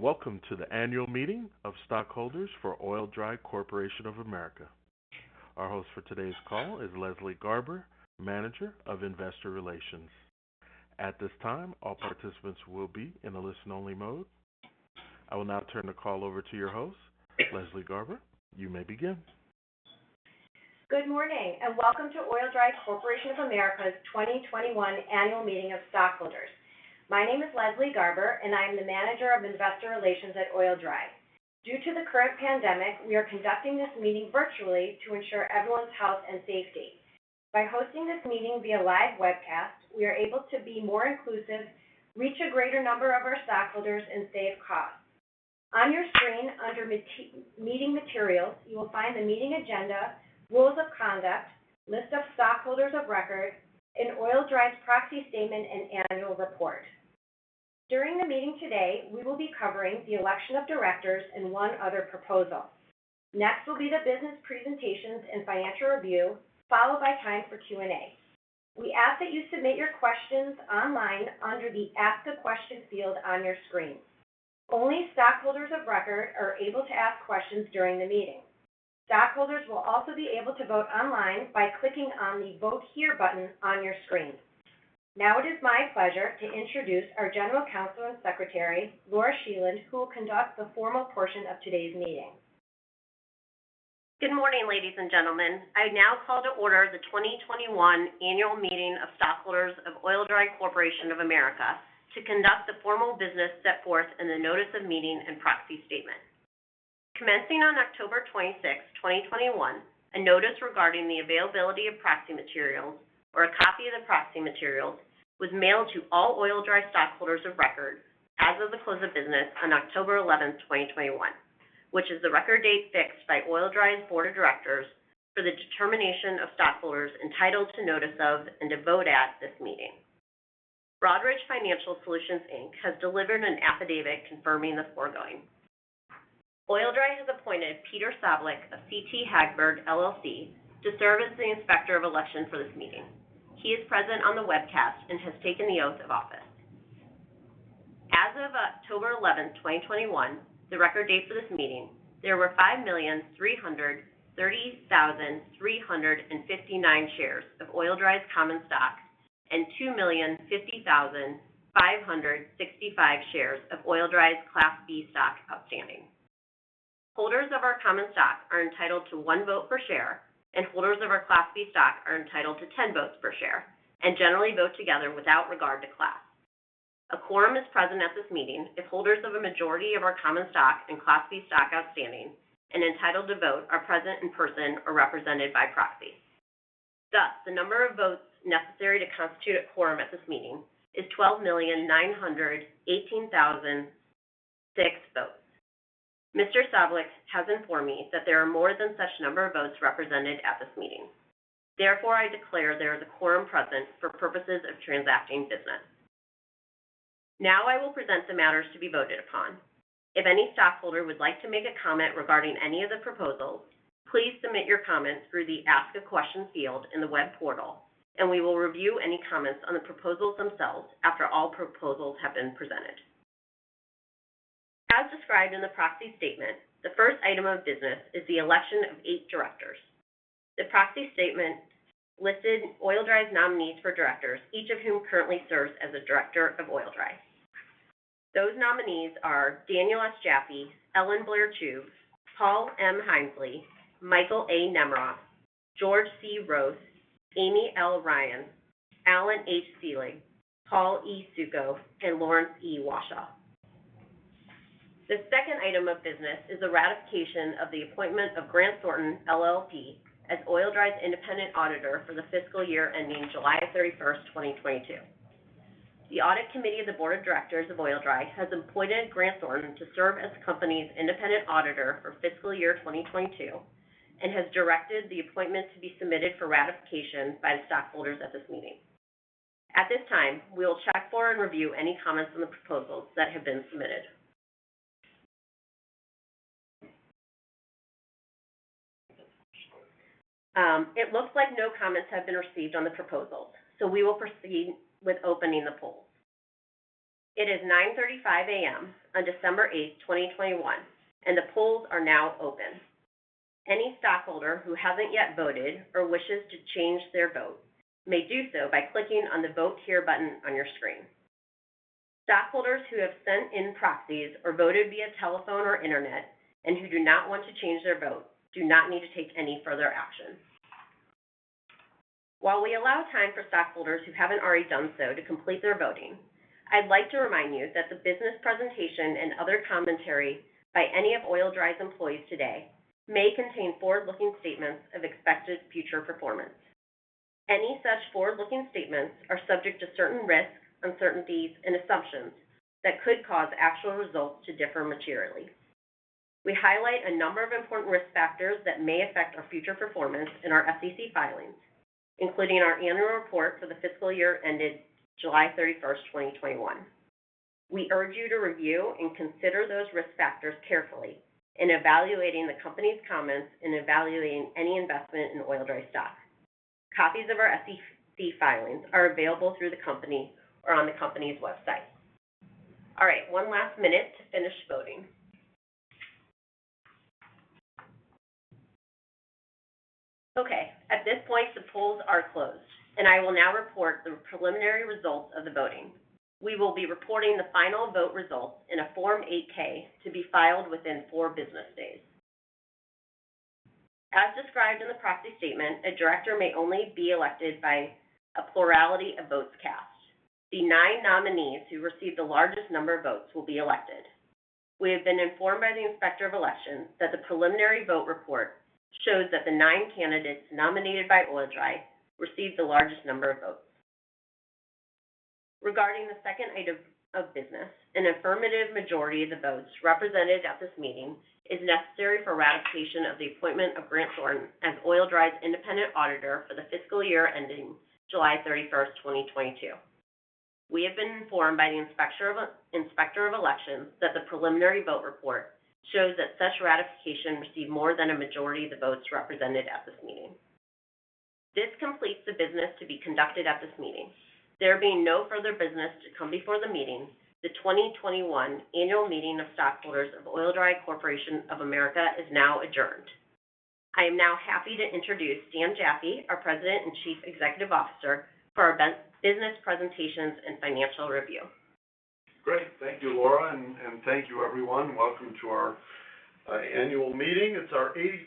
Welcome to the annual meeting of stockholders for Oil-Dri Corporation of America. Our host for today's call is Leslie Garber, Manager of Investor Relations. At this time, all participants will be in a listen-only mode. I will now turn the call over to your host, Leslie Garber. You may begin. Good morning, and welcome to Oil-Dri Corporation of America's 2021 annual meeting of stockholders. My name is Leslie Garber, and I am the Manager of Investor Relations at Oil-Dri. Due to the current pandemic, we are conducting this meeting virtually to ensure everyone's health and safety. By hosting this meeting via live webcast, we are able to be more inclusive, reach a greater number of our stockholders, and save costs. On your screen under Meeting Materials, you will find the meeting agenda, rules of conduct, list of stockholders of record, and Oil-Dri's proxy statement and annual report. During the meeting today, we will be covering the election of directors and one other proposal. Next will be the business presentations and financial review, followed by time for Q&A. We ask that you submit your questions online under the Ask a Question field on your screen. Only stockholders of record are able to ask questions during the meeting. Stockholders will also be able to vote online by clicking on the Vote Here button on your screen. Now it is my pleasure to introduce our General Counsel and Secretary, Laura Scheland, who will conduct the formal portion of today's meeting. Good morning, ladies and gentlemen. I now call to order the 2021 annual meeting of stockholders of Oil-Dri Corporation of America to conduct the formal business set forth in the notice of meeting and proxy statement. Commencing on October 26, 2021, a notice regarding the availability of proxy materials or a copy of the proxy materials was mailed to all Oil-Dri stockholders of record as of the close of business on October 11, 2021, which is the record date fixed by Oil-Dri's board of directors for the determination of stockholders entitled to notice of and to vote at this meeting. Broadridge Financial Solutions, Inc. has delivered an affidavit confirming the foregoing. Oil-Dri has appointed Peter Sablik of CT Hagberg LLC to serve as the Inspector of Election for this meeting. He is present on the webcast and has taken the oath of office. As of October 11, 2021, the record date for this meeting, there were 5,333,359 shares of Oil-Dri's common stock and 2,050,565 shares of Oil-Dri's Class B stock outstanding. Holders of our common stock are entitled to one vote per share, and holders of our Class B stock are entitled to 10 votes per share and generally vote together without regard to class. A quorum is present at this meeting if holders of a majority of our common stock and Class B stock outstanding and entitled to vote are present in person or represented by proxy. Thus, the number of votes necessary to constitute a quorum at this meeting is 12,918,006 votes. Mr. Sablik has informed me that there are more than sufficient number of votes represented at this meeting. Therefore, I declare there is a quorum present for purposes of transacting business. Now I will present the matters to be voted upon. If any stockholder would like to make a comment regarding any of the proposals, please submit your comments through the Ask a Question field in the web portal, and we will review any comments on the proposals themselves after all proposals have been presented. As described in the proxy statement, the first item of business is the election of eight directors. The proxy statement listed Oil-Dri's nominees for directors, each of whom currently serves as a director of Oil-Dri. Those nominees are Daniel S. Jaffee, Ellen-Blair Chube, Paul M. Hindsley, Michael A. Nemeroff, George C. Roeth, Amy L. Ryan, Allan H. Selig, Paul E. Suko, and Lawrence E. Washow. The second item of business is the ratification of the appointment of Grant Thornton LLP as Oil-Dri's independent auditor for the fiscal year-ending July 31, 2022. The Audit Committee of the Board of Directors of Oil-Dri has appointed Grant Thornton to serve as the company's independent auditor for fiscal year 2022 and has directed the appointment to be submitted for ratification by the stockholders at this meeting. At this time, we will check for and review any comments on the proposals that have been submitted. It looks like no comments have been received on the proposals, so we will proceed with opening the polls. It is 9:35 A.M. on December 8, 2021, and the polls are now open. Any stockholder who hasn't yet voted or wishes to change their vote may do so by clicking on the Vote Here button on your screen. Stockholders who have sent in proxies or voted via telephone or internet and who do not want to change their vote do not need to take any further action. While we allow time for stockholders who haven't already done so to complete their voting, I'd like to remind you that the business presentation and other commentary by any of Oil-Dri's employees today may contain forward-looking statements of expected future performance. Any such forward-looking statements are subject to certain risks, uncertainties, and assumptions that could cause actual results to differ materially. We highlight a number of important risk factors that may affect our future performance in our SEC filings, including our annual report for the fiscal year-ended July 31, 2021. We urge you to review and consider those risk factors carefully in evaluating the company's comments in evaluating any investment in Oil-Dri stock. Copies of our SEC filings are available through the company or on the company's website. All right, one last minute to finish voting. Okay, at this point, the polls are closed, and I will now report the preliminary results of the voting. We will be reporting the final vote results in a Form 8-K to be filed within four business days. As described in the proxy statement, a director may only be elected by a plurality of votes cast. The nine nominees who receive the largest number of votes will be elected. We have been informed by the Inspector of Elections that the preliminary vote report shows that the nine candidates nominated by Oil-Dri received the largest number of votes. Regarding the second item of business, an affirmative majority of the votes represented at this meeting is necessary for ratification of the appointment of Grant Thornton as Oil-Dri's independent auditor for the fiscal year-ending July 31, 2022. We have been informed by the Inspector of Elections that the preliminary vote report shows that such ratification received more than a majority of the votes represented at this meeting. This completes the business to be conducted at this meeting. There being no further business to come before the meeting, the 2021 annual meeting of stockholders of Oil-Dri Corporation of America is now adjourned. I am now happy to introduce Dan Jaffee, our President and Chief Executive Officer, for our business presentations and financial review. Great. Thank you, Laura, and thank you, everyone. Welcome to our annual meeting.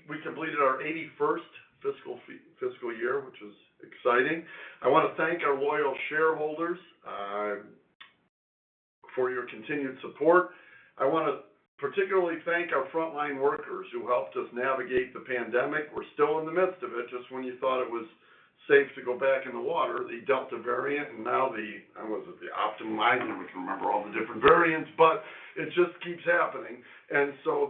We completed our 81st fiscal year, which is exciting. I wanna thank our loyal shareholders for your continued support. I wanna particularly thank our frontline workers who helped us navigate the pandemic. We're still in the midst of it. Just when you thought it was safe to go back in the water, the Delta variant and now the, what is it, the Omicron. We can remember all the different variants, but it just keeps happening.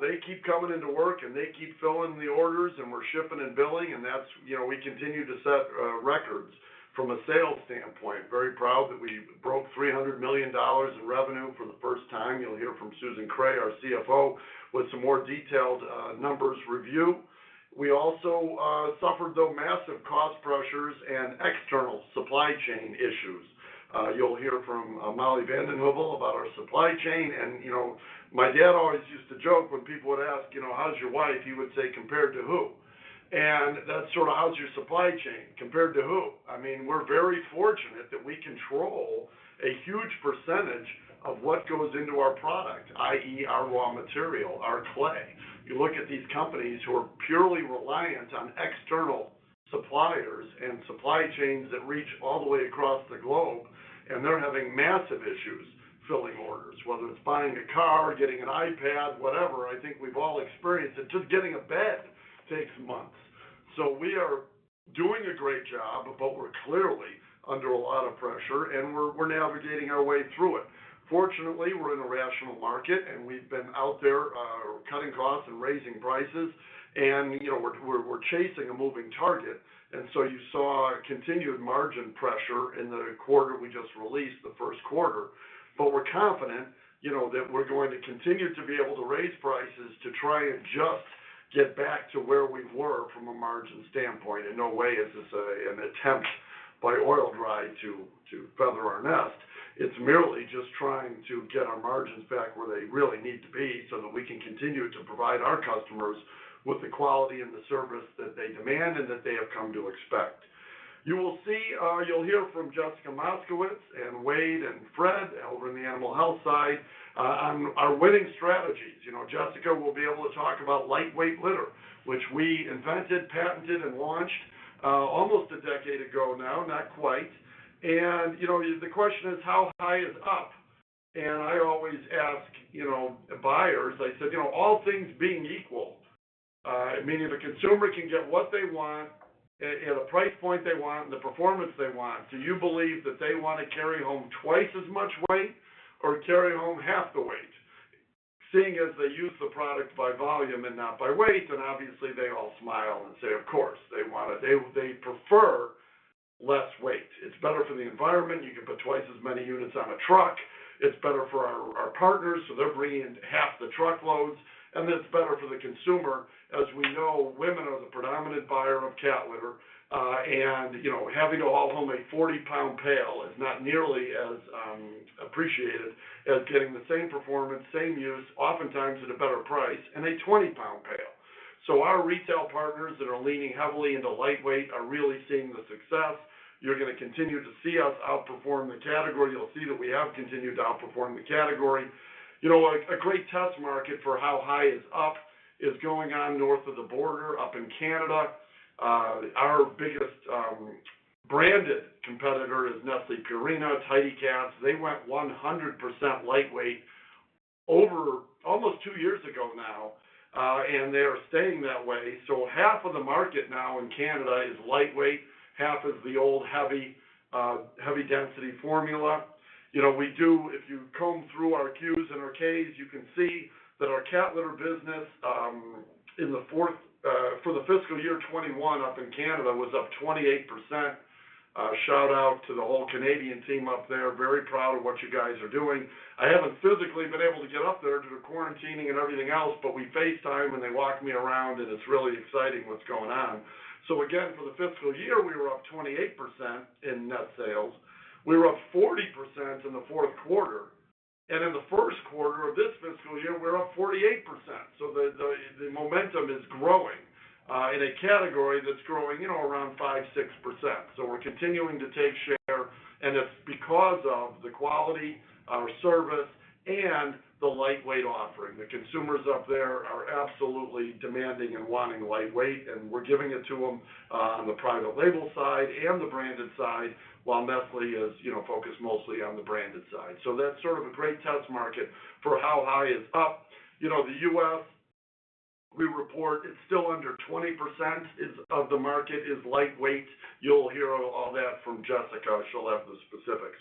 They keep coming into work, and they keep filling the orders, and we're shipping and billing, and that's, you know, we continue to set records from a sales standpoint. Very proud that we broke $300 million in revenue for the first time. You'll hear from Susan Kreh, our CFO, with some more detailed numbers review. We also suffered, though, massive cost pressures and external supply chain issues. You'll hear from Molly VandenHeuvel about our supply chain. You know, my dad always used to joke when people would ask, you know, "How's your wife?" He would say, "Compared to who?" That's sort of how's your supply chain, compared to who? I mean, we're very fortunate that we control a huge percentage of what goes into our product, i.e., our raw material, our clay. You look at these companies who are purely reliant on external suppliers and supply chains that reach all the way across the globe, and they're having massive issues filling orders, whether it's buying a car, getting an iPad, whatever. I think we've all experienced it. Just getting a bed takes months. We are doing a great job, but we're clearly under a lot of pressure, and we're navigating our way through it. Fortunately, we're in a rational market, and we've been out there cutting costs and raising prices. You know, we're chasing a moving target. You saw continued margin pressure in the quarter we just released, the Q1. We're confident, you know, that we're going to continue to be able to raise prices to try and just get back to where we were from a margin standpoint. In no way is this an attempt by Oil-Dri to feather our nest. It's merely just trying to get our margins back where they really need to be so that we can continue to provide our customers with the quality and the service that they demand and that they have come to expect. You will see, you'll hear from Jessica Moskowitz and Wade and Fred over in the animal health side, on our winning strategies. You know, Jessica will be able to talk about lightweight litter, which we invented, patented, and launched, almost a decade ago now, not quite. You know, the question is how high is up? I always ask, you know, buyers, I said, "You know, all things being equal, meaning the consumer can get what they want at a price point they want and the performance they want, do you believe that they wanna carry home twice as much weight or carry home half the weight, seeing as they use the product by volume and not by weight?" Obviously they all smile and say, "Of course," they prefer less weight. It's better for the environment. You can put twice as many units on a truck. It's better for our partners, so they're bringing in half the truckloads. It's better for the consumer. As we know, women are the predominant buyer of cat litter, and you know, having to haul home a 40-pound pail is not nearly as appreciated as getting the same performance, same use, oftentimes at a better price in a 20-pound pail. Our retail partners that are leaning heavily into lightweight are really seeing the success. You're gonna continue to see us outperform the category. You'll see that we have continued to outperform the category. You know, a great test market for how high is up is going on north of the border up in Canada. Our biggest branded competitor is Nestlé Purina Tidy Cats. They went 100% lightweight over almost two years ago now, and they are staying that way. Half of the market now in Canada is lightweight, half is the old heavy density formula. You know, if you comb through our 10-Qs and 10-Ks, you can see that our cat litter business for the fiscal year 2021 up in Canada was up 28%. A shout out to the whole Canadian team up there. Very proud of what you guys are doing. I haven't physically been able to get up there due to quarantining and everything else, but we FaceTime and they walk me around, and it's really exciting what's going on. Again, for the fiscal year, we were up 28% in net sales. We were up 40% in the Q4. In the Q1 of this fiscal year, we're up 48%. The momentum is growing in a category that's growing, you know, around 5%-6%. We're continuing to take share, and it's because of the quality, our service, and the lightweight offering. The consumers up there are absolutely demanding and wanting lightweight, and we're giving it to them on the private label side and the branded side, while Nestlé is, you know, focused mostly on the branded side. That's sort of a great test market for how high is up. You know, the U.S., we report it's still under 20% of the market is lightweight. You'll hear all that from Jessica. She'll have the specifics.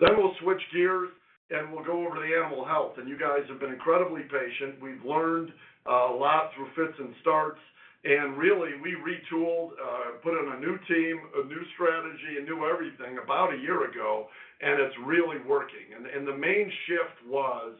Then we'll switch gears, and we'll go over to animal health. You guys have been incredibly patient. We've learned a lot through fits and starts. Really, we retooled, put in a new team, a new strategy, a new everything about a year ago, and it's really working. The main shift was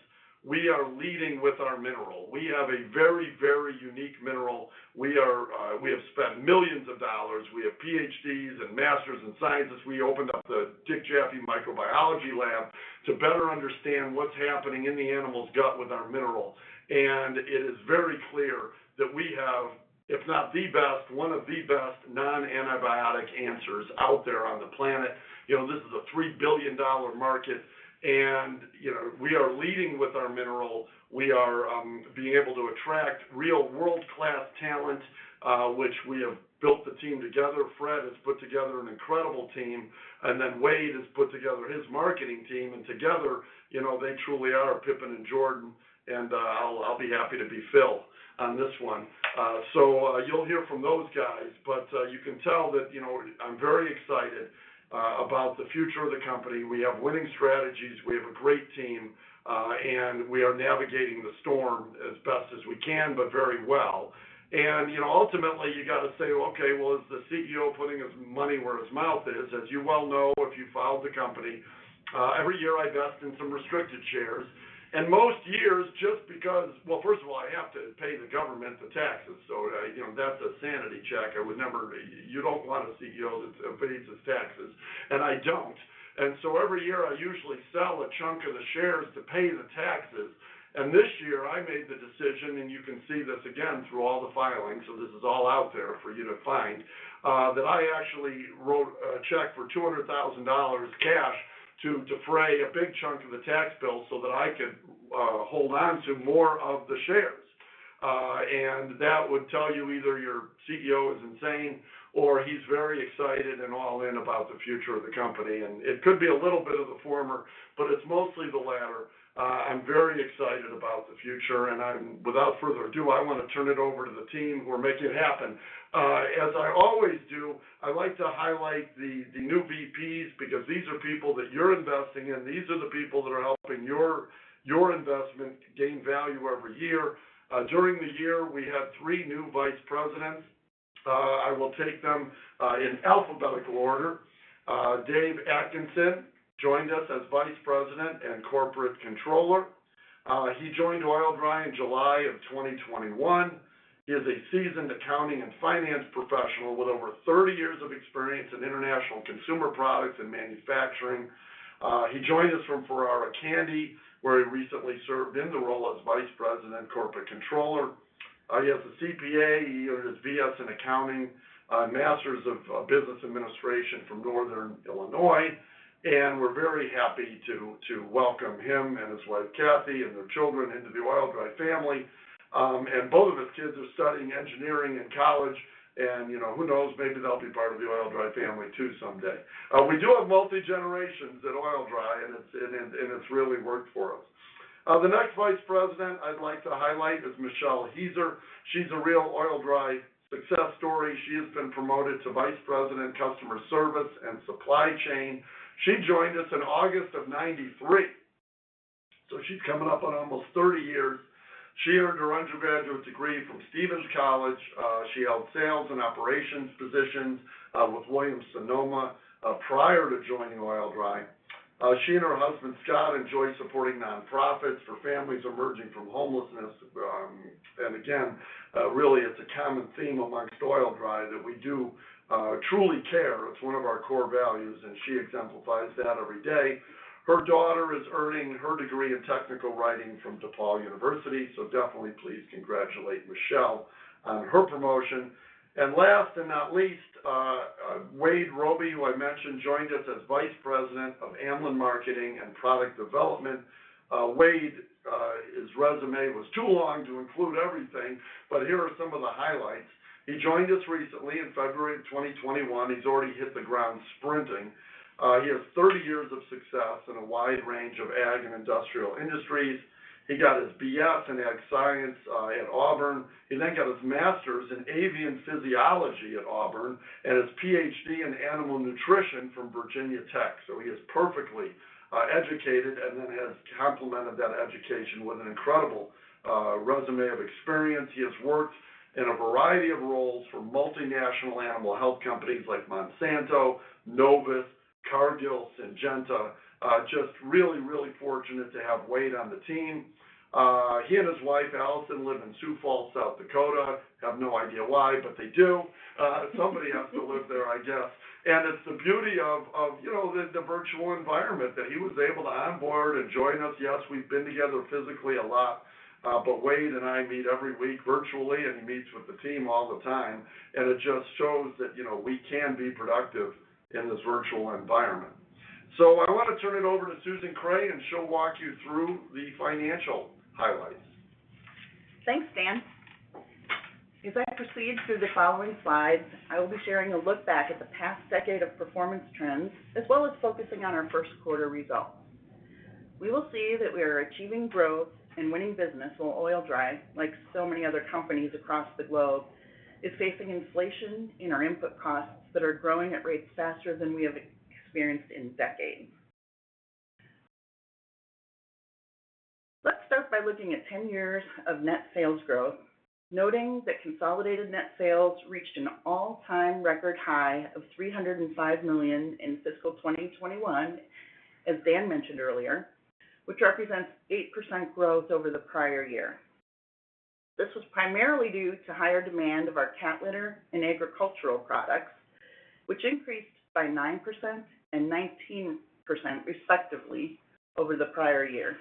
we are leading with our mineral. We have a very, very unique mineral. We have spent millions of dollars. We have PhDs and Master's in Sciences. We opened up the Dick Jaffee Microbiology Lab to better understand what's happening in the animal's gut with our mineral. It is very clear that we have, if not the best, one of the best non-antibiotic answers out there on the planet. You know, this is a $3 billion market. You know, we are leading with our mineral. We are being able to attract real world-class talent, which we have built the team together. Fred has put together an incredible team, and then Wade has put together his marketing team. Together, you know, they truly are Pippen and Jordan, and I'll be happy to be Phil on this one. You'll hear from those guys. You can tell that, you know, I'm very excited about the future of the company. We have winning strategies. We have a great team, and we are navigating the storm as best as we can, but very well. You know, ultimately, you got to say, "Okay, well, is the CEO putting his money where his mouth is?" As you well know, if you've followed the company, every year I vest in some restricted shares. Most years, first of all, I have to pay the government the taxes. You know, that's a sanity check. You don't want a CEO that evades his taxes, and I don't. Every year, I usually sell a chunk of the shares to pay the taxes. This year, I made the decision, and you can see this again through all the filings, so this is all out there for you to find, that I actually wrote a check for $200,000 cash to defray a big chunk of the tax bill so that I could hold on to more of the shares. That would tell you either your CEO is insane or he's very excited and all in about the future of the company. It could be a little bit of the former, but it's mostly the latter. I'm very excited about the future. I'm without further ado. I want to turn it over to the team who are making it happen. As I always do, I like to highlight the new VPs because these are people that you're investing in. These are the people that are helping your investment gain value every year. During the year, we had three new vice presidents. I will take them in alphabetical order. Dave Atkinson joined us as Vice President and Corporate Controller. He joined Oil-Dri in July of 2021. He is a seasoned accounting and finance professional with over 30 years of experience in international consumer products and manufacturing. He joined us from Ferrara Candy, where he recently served in the role as Vice President and Corporate Controller. He has a CPA. He earned his BS in accounting, a Master's of Business Administration from Northern Illinois, and we're very happy to welcome him and his wife, Kathy, and their children into the Oil-Dri family. Both of his kids are studying engineering in college and, you know, who knows, maybe they'll be part of the Oil-Dri family too someday. We do have multi-generations at Oil-Dri, and it's really worked for us. The next vice president I'd like to highlight is Michelle Heaser. She's a real Oil-Dri success story. She has been promoted to Vice President, Customer Service and Supply Chain. She joined us in August of 1993, so she's coming up on almost 30 years. She earned her undergraduate degree from Stephens College. She held sales and operations positions with Williams-Sonoma prior to joining Oil-Dri. She and her husband, Scott, enjoy supporting nonprofits for families emerging from homelessness. Again, really, it's a common theme among Oil-Dri that we do truly care. It's one of our core values, and she exemplifies that every day. Her daughter is earning her degree in technical writing from DePauw University, so definitely please congratulate Michelle on her promotion. Last but not least, Wade Robey, who I mentioned, joined us as Vice President of Amlan Marketing and Product Development. Wade, his resume was too long to include everything, but here are some of the highlights. He joined us recently in February 2021. He's already hit the ground sprinting. He has 30 years of success in a wide range of ag and industrial industries. He got his BS in ag science at Auburn. He got his Master's in avian physiology at Auburn and his PhD in animal nutrition from Virginia Tech. He is perfectly educated and then has complemented that education with an incredible résumé of experience. He has worked in a variety of roles for multinational animal health companies like Monsanto, Novus, Cargill, Syngenta. Just really fortunate to have Wade on the team. He and his wife Allison live in Sioux Falls, South Dakota. Have no idea why, but they do. Somebody has to live there, I guess. It's the beauty of you know the virtual environment that he was able to onboard and join us. Yes, we've been together physically a lot, but Wade and I meet every week virtually, and he meets with the team all the time. It just shows that, you know, we can be productive in this virtual environment. I wanna turn it over to Susan Kreh and she'll walk you through the financial highlights. Thanks, Dan. As I proceed through the following slides, I will be sharing a look back at the past decade of performance trends, as well as focusing on our Q1 results. We will see that we are achieving growth and winning business while Oil-Dri, like so many other companies across the globe, is facing inflation in our input costs that are growing at rates faster than we have experienced in decades. Let's start by looking at 10 years of net sales growth, noting that consolidated net sales reached an all-time record high of $305 million in fiscal 2021, as Dan mentioned earlier, which represents 8% growth over the prior year. This was primarily due to higher demand of our cat litter and agricultural products, which increased by 9% and 19% respectively over the prior year.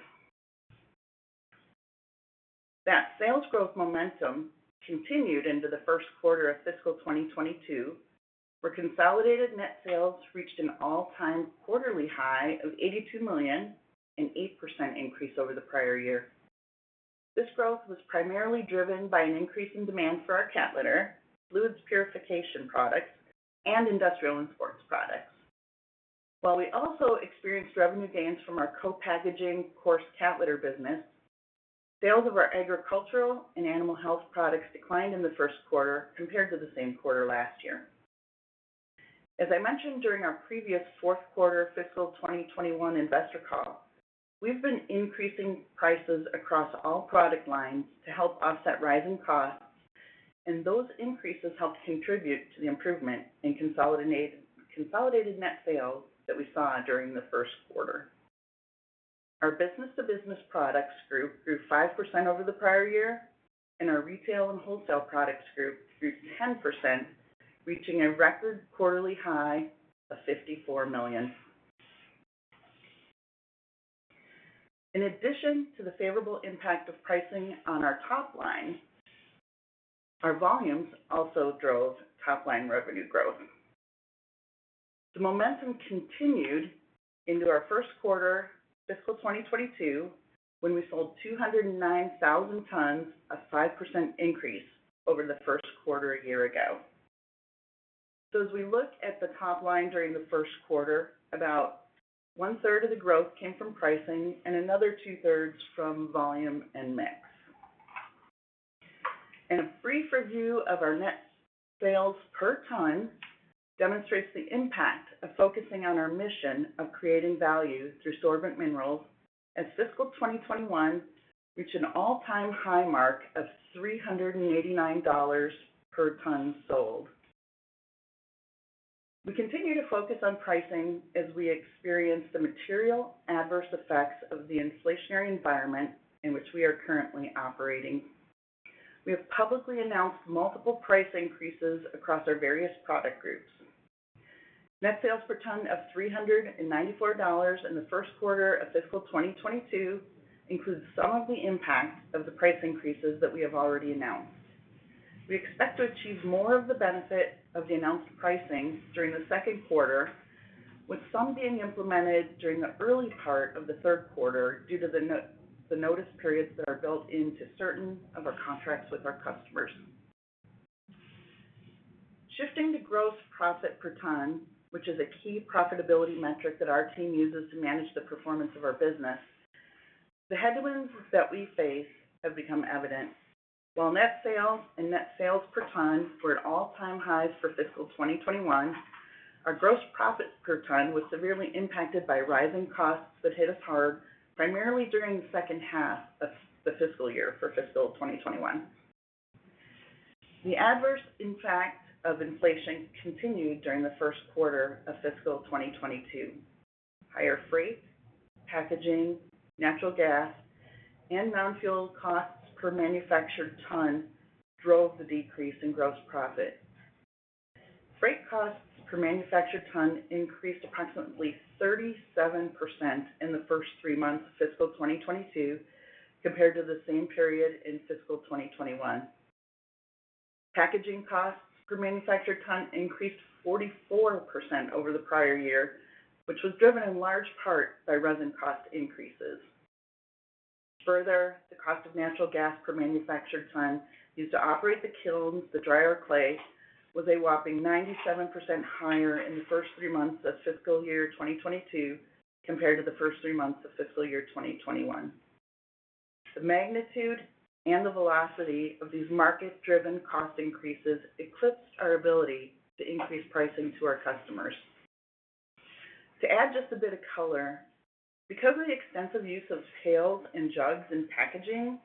That sales growth momentum continued into the Q1 of fiscal 2022, where consolidated net sales reached an all-time quarterly high of $82 million, an 8% increase over the prior year. This growth was primarily driven by an increase in demand for our cat litter, fluids purification products, and industrial and sports products. While we also experienced revenue gains from our co-packaging coarse cat litter business, sales of our agricultural and animal health products declined in the Q1 compared to the same quarter last year. As I mentioned during our previous Q4 fiscal 2021 investor call, we've been increasing prices across all product lines to help offset rising costs, and those increases helped contribute to the improvement in consolidated net sales that we saw during the Q1. Our business-to-business products group grew 5% over the prior year, and our retail and wholesale products group grew 10%, reaching a record quarterly high of $54 million. In addition to the favorable impact of pricing on our top line, our volumes also drove top-line revenue growth. The momentum continued into our Q1 fiscal 2022, when we sold 209,000 tons, a 5% increase over the Q1 a year ago. So as we look at the top line during the Q1, about 1/3 of the growth came from pricing and another 2/3 from volume and mix. A brief review of our net sales per ton demonstrates the impact of focusing on our mission of creating value through sorbent minerals as fiscal 2021 reached an all-time high mark of $389 per ton sold. We continue to focus on pricing as we experience the material adverse effects of the inflationary environment in which we are currently operating. We have publicly announced multiple price increases across our various product groups. Net sales per ton of $394 in the Q1 of fiscal 2022 includes some of the impact of the price increases that we have already announced. We expect to achieve more of the benefit of the announced pricing during the Q2, with some being implemented during the early part of the Q3 due to the notice periods that are built into certain of our contracts with our customers. Shifting to gross profit per ton, which is a key profitability metric that our team uses to manage the performance of our business, the headwinds that we face have become evident. While net sales and net sales per ton were at all-time highs for fiscal 2021, our gross profit per ton was severely impacted by rising costs that hit us hard primarily during the second half of the fiscal year for fiscal 2021. The adverse impact of inflation continued during the Q1 of fiscal 2022. Higher freight, packaging, natural gas, and non-fuel costs per manufactured ton drove the decrease in gross profit. Freight costs per manufactured ton increased approximately 37% in the first three months of fiscal 2022 compared to the same period in fiscal 2021. Packaging costs per manufactured ton increased 44% over the prior year, which was driven in large part by resin cost increases. Further, the cost of natural gas per manufactured ton used to operate the kilns to dry our clay was a whopping 97% higher in the first three months of fiscal year 2022 compared to the first three months of fiscal year 2021. The magnitude and the velocity of these market-driven cost increases eclipsed our ability to increase pricing to our customers. To add just a bit of color, because of the extensive use of pails and jugs in packaging,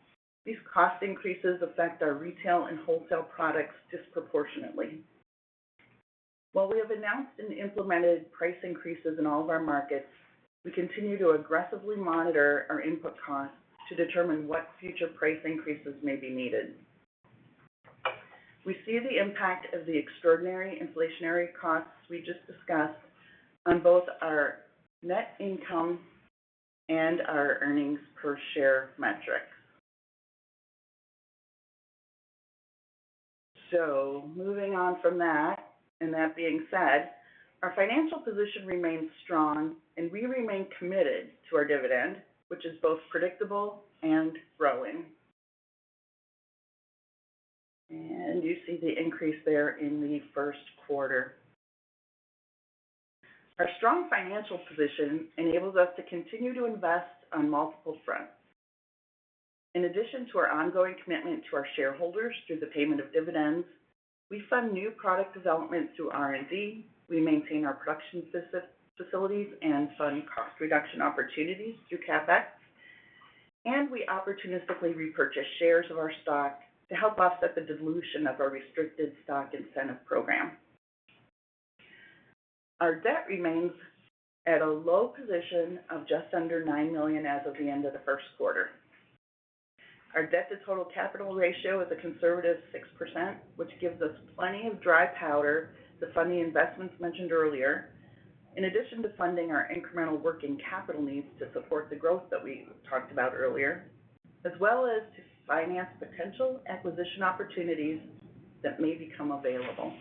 these cost increases affect our retail and wholesale products disproportionately. While we have announced and implemented price increases in all of our markets, we continue to aggressively monitor our input costs to determine what future price increases may be needed. We see the impact of the extraordinary inflationary costs we just discussed on both our net income and our earnings per share metrics. Moving on from that, and that being said, our financial position remains strong, and we remain committed to our dividend, which is both predictable and growing. You see the increase there in the Q1. Our strong financial position enables us to continue to invest on multiple fronts. In addition to our ongoing commitment to our shareholders through the payment of dividends, we fund new product development through R&D. We maintain our production facilities and fund cost reduction opportunities through CapEx. We opportunistically repurchase shares of our stock to help offset the dilution of our restricted stock incentive program. Our debt remains at a low position of just under $9 million as of the end of the Q1. Our debt to total capital ratio is a conservative 6%, which gives us plenty of dry powder to fund the investments mentioned earlier. In addition to funding our incremental working capital needs to support the growth that we talked about earlier, as well as to finance potential acquisition opportunities that may become available.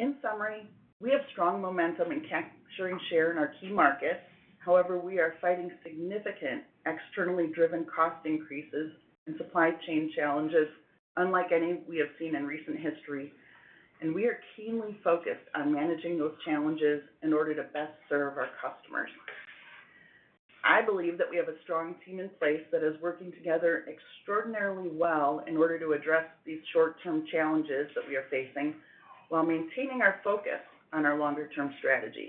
In summary, we have strong momentum in capturing share in our key markets. However, we are fighting significant externally driven cost increases and supply chain challenges unlike any we have seen in recent history, and we are keenly focused on managing those challenges in order to best serve our customers. I believe that we have a strong team in place that is working together extraordinarily well in order to address these short-term challenges that we are facing while maintaining our focus on our longer-term strategy.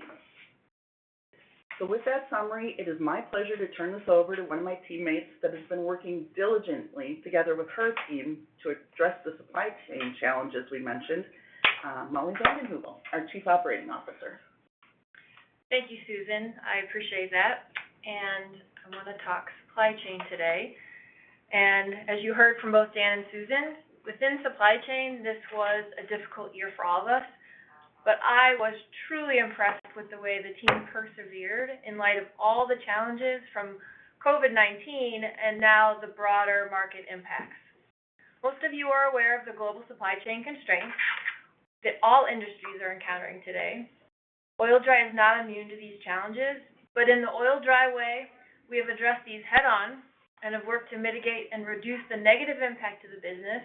With that summary, it is my pleasure to turn this over to one of my teammates that has been working diligently together with her team to address the supply chain challenges we mentioned, Molly VandenHeuvel, our Chief Operating Officer. Thank you, Susan. I appreciate that. I'm gonna talk supply chain today. As you heard from both Dan and Susan, within supply chain, this was a difficult year for all of us, but I was truly impressed with the way the team persevered in light of all the challenges from COVID-19 and now the broader market impacts. Most of you are aware of the global supply chain constraints that all industries are encountering today. Oil-Dri is not immune to these challenges, but in the Oil-Dri way, we have addressed these head on and have worked to mitigate and reduce the negative impact to the business,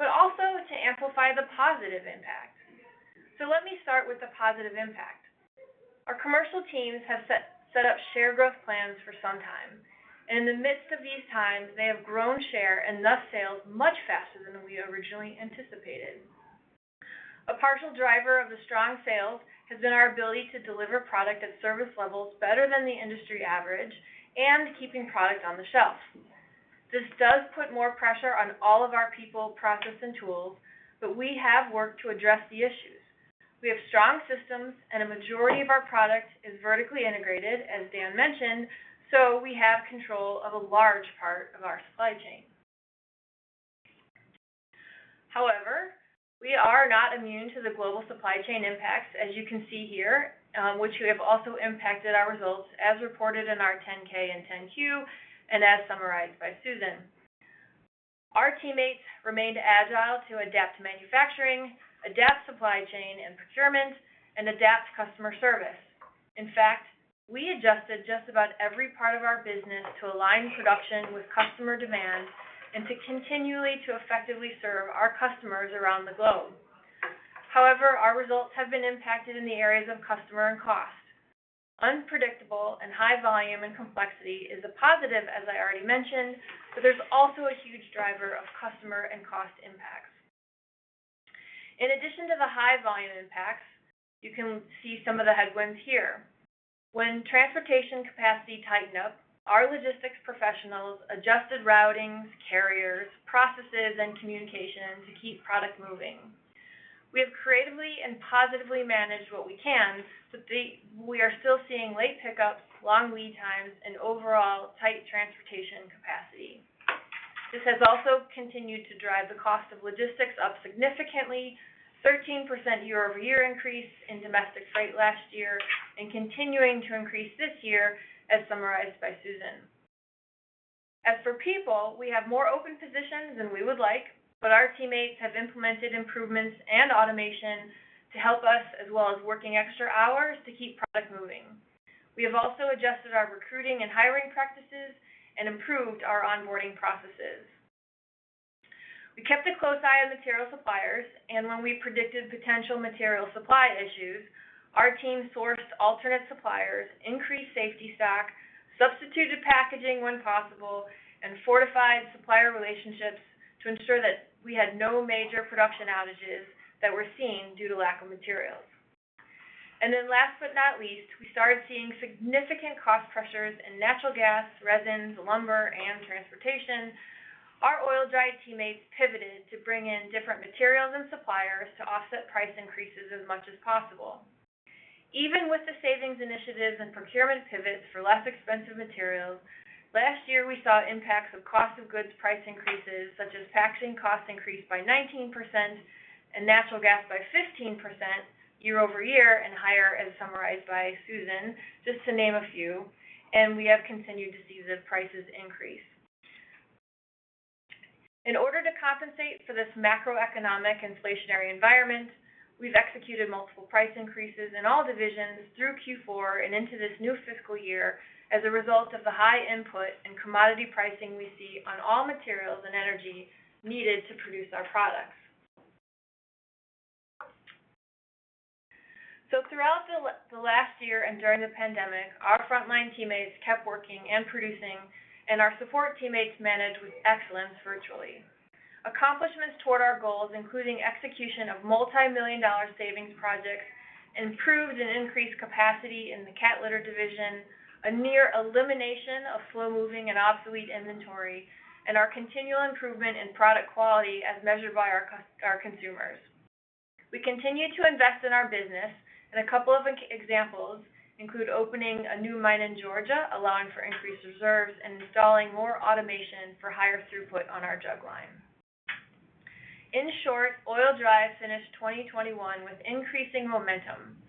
but also to amplify the positive impact. Let me start with the positive impact. Our commercial teams have set up share growth plans for some time. In the midst of these times, they have grown share and thus sales much faster than we originally anticipated. A partial driver of the strong sales has been our ability to deliver product and service levels better than the industry average and keeping product on the shelf. This does put more pressure on all of our people, process, and tools, but we have worked to address the issues. We have strong systems, and a majority of our product is vertically integrated, as Dan mentioned, so we have control of a large part of our supply chain. However, we are not immune to the global supply chain impacts, as you can see here, which we have also impacted our results as reported in our 10-K and 10-Q and as summarized by Susan. Our teammates remained agile to adapt manufacturing, adapt supply chain and procurement, and adapt customer service. In fact, we adjusted just about every part of our business to align production with customer demand and to continually effectively serve our customers around the globe. However, our results have been impacted in the areas of customer and cost. Unpredictable and high volume and complexity is a positive, as I already mentioned, but there's also a huge driver of customer and cost impacts. In addition to the high volume impacts, you can see some of the headwinds here. When transportation capacity tightened up, our logistics professionals adjusted routings, carriers, processes, and communication to keep product moving. We have creatively and positively managed what we can, but we are still seeing late pickups, long lead times, and overall tight transportation capacity. This has also continued to drive the cost of logistics up significantly, 13% year-over-year increase in domestic freight last year, and continuing to increase this year, as summarized by Susan. As for people, we have more open positions than we would like, but our teammates have implemented improvements and automation to help us, as well as working extra hours to keep product moving. We have also adjusted our recruiting and hiring practices and improved our onboarding processes. We kept a close eye on material suppliers, and when we predicted potential material supply issues, our team sourced alternate suppliers, increased safety stock, substituted packaging when possible, and fortified supplier relationships to ensure that we had no major production outages that we're seeing due to lack of materials. Then last but not least, we started seeing significant cost pressures in natural gas, resins, lumber, and transportation. Our Oil-Dri teammates pivoted to bring in different materials and suppliers to offset price increases as much as possible. Even with the savings initiatives and procurement pivots for less expensive materials, last year we saw impacts of cost of goods price increases such as packaging costs increased by 19% and natural gas by 15% year-over-year and higher as summarized by Susan, just to name a few, and we have continued to see the prices increase. In order to compensate for this macroeconomic inflationary environment, we've executed multiple price increases in all divisions through Q4 and into this new fiscal year as a result of the high input and commodity pricing we see on all materials and energy needed to produce our products. Throughout the last year and during the pandemic, our frontline teammates kept working and producing, and our support teammates managed with excellence virtually. Accomplishments toward our goals, including execution of multimillion-dollar savings projects, improved and increased capacity in the cat litter division, a near elimination of slow-moving and obsolete inventory, and our continual improvement in product quality as measured by our consumers. We continue to invest in our business, and a couple of examples include opening a new mine in Georgia, allowing for increased reserves and installing more automation for higher throughput on our jug line. In short, Oil-Dri finished 2021 with increasing momentum.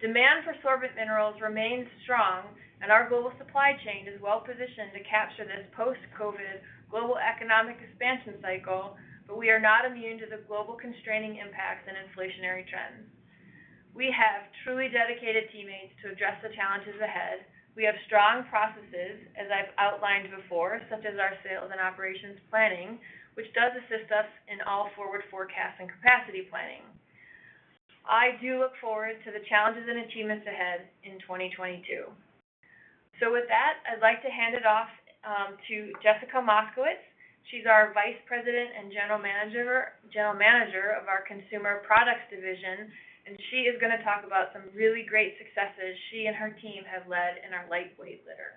Demand for sorbent minerals remains strong, and our global supply chain is well-positioned to capture this post-COVID global economic expansion cycle, but we are not immune to the global constraining impacts and inflationary trends. We have truly dedicated teammates to address the challenges ahead. We have strong processes, as I've outlined before, such as our sales and operations planning, which does assist us in all forward forecasts and capacity planning. I do look forward to the challenges and achievements ahead in 2022. With that, I'd like to hand it off to Jessica Moskowitz. She's our Vice President and General Manager of our Consumer Products Division, and she is gonna talk about some really great successes she and her team have led in our lightweight litter.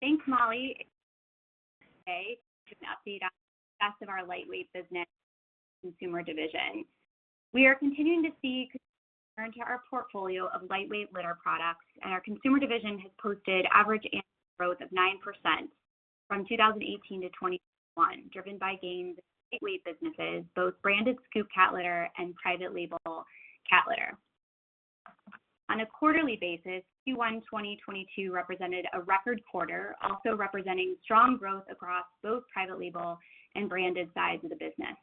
Thanks, Molly. Today to update you on the success of our lightweight business consumer division. We are continuing to see consumers turn to our portfolio of lightweight litter products, and our consumer division has posted average annual growth of 9% from 2018-2021, driven by gains in lightweight businesses, both branded scoop cat litter and private label cat litter. On a quarterly basis, Q1 2022 represented a record quarter, also representing strong growth across both private label and branded sides of the business.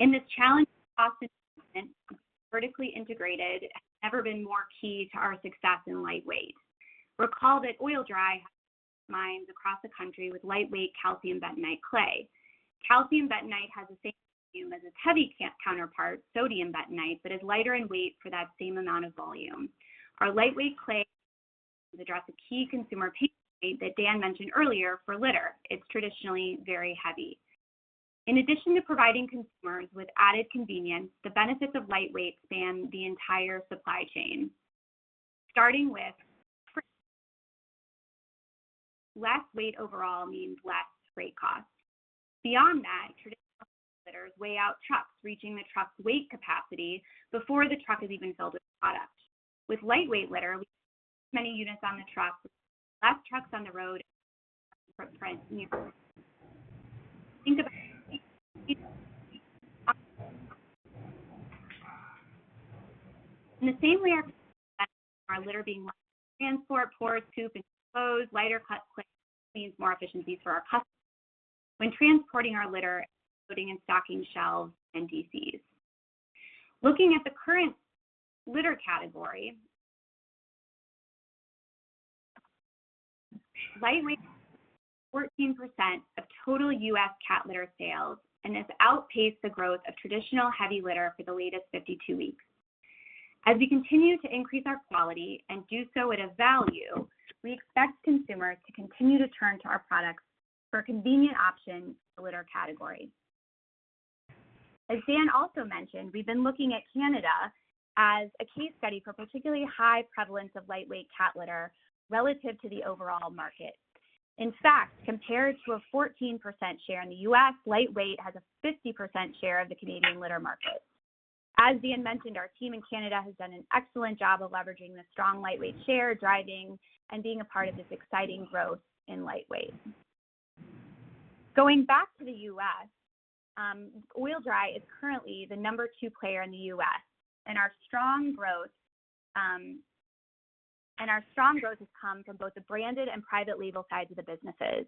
In this challenging cost environment, being vertically integrated has never been more key to our success in lightweight. Recall that Oil-Dri has mines across the country with lightweight calcium bentonite clay. Calcium bentonite has the same volume as its heavy counterpart, sodium bentonite, but is lighter in weight for that same amount of volume. Our lightweight clay addresses a key consumer pain point that Dan mentioned earlier for litter. It's traditionally very heavy. In addition to providing consumers with added convenience, the benefits of lightweight span the entire supply chain, starting with freight. Less weight overall means less freight costs. Beyond that, traditional litters weigh out trucks, reaching the truck's weight capacity before the truck is even filled with product. With lightweight litter, we fit many units on the truck, less trucks on the road, and a smaller footprint in your. In the same way our customers value our litter being lighter to transport, pour, scoop, and dispose, lighter clay means more efficiencies for our customers when transporting our litter, putting and stocking shelves in DCs. Looking at the current litter category, lightweight makes up 14% of total U.S. cat litter sales and has outpaced the growth of traditional heavy litter for the latest 52 weeks. As we continue to increase our quality and do so at a value, we expect consumers to continue to turn to our products for a convenient option in the litter category. As Dan also mentioned, we've been looking at Canada as a case study for particularly high prevalence of lightweight cat litter relative to the overall market. In fact, compared to a 14% share in the U.S., lightweight has a 50% share of the Canadian litter market. As Dan mentioned, our team in Canada has done an excellent job of leveraging the strong lightweight share, driving, and being a part of this exciting growth in lightweight. Going back to the U.S., Oil-Dri is currently the number two player in the U.S., and our strong growth has come from both the branded and private label sides of the businesses.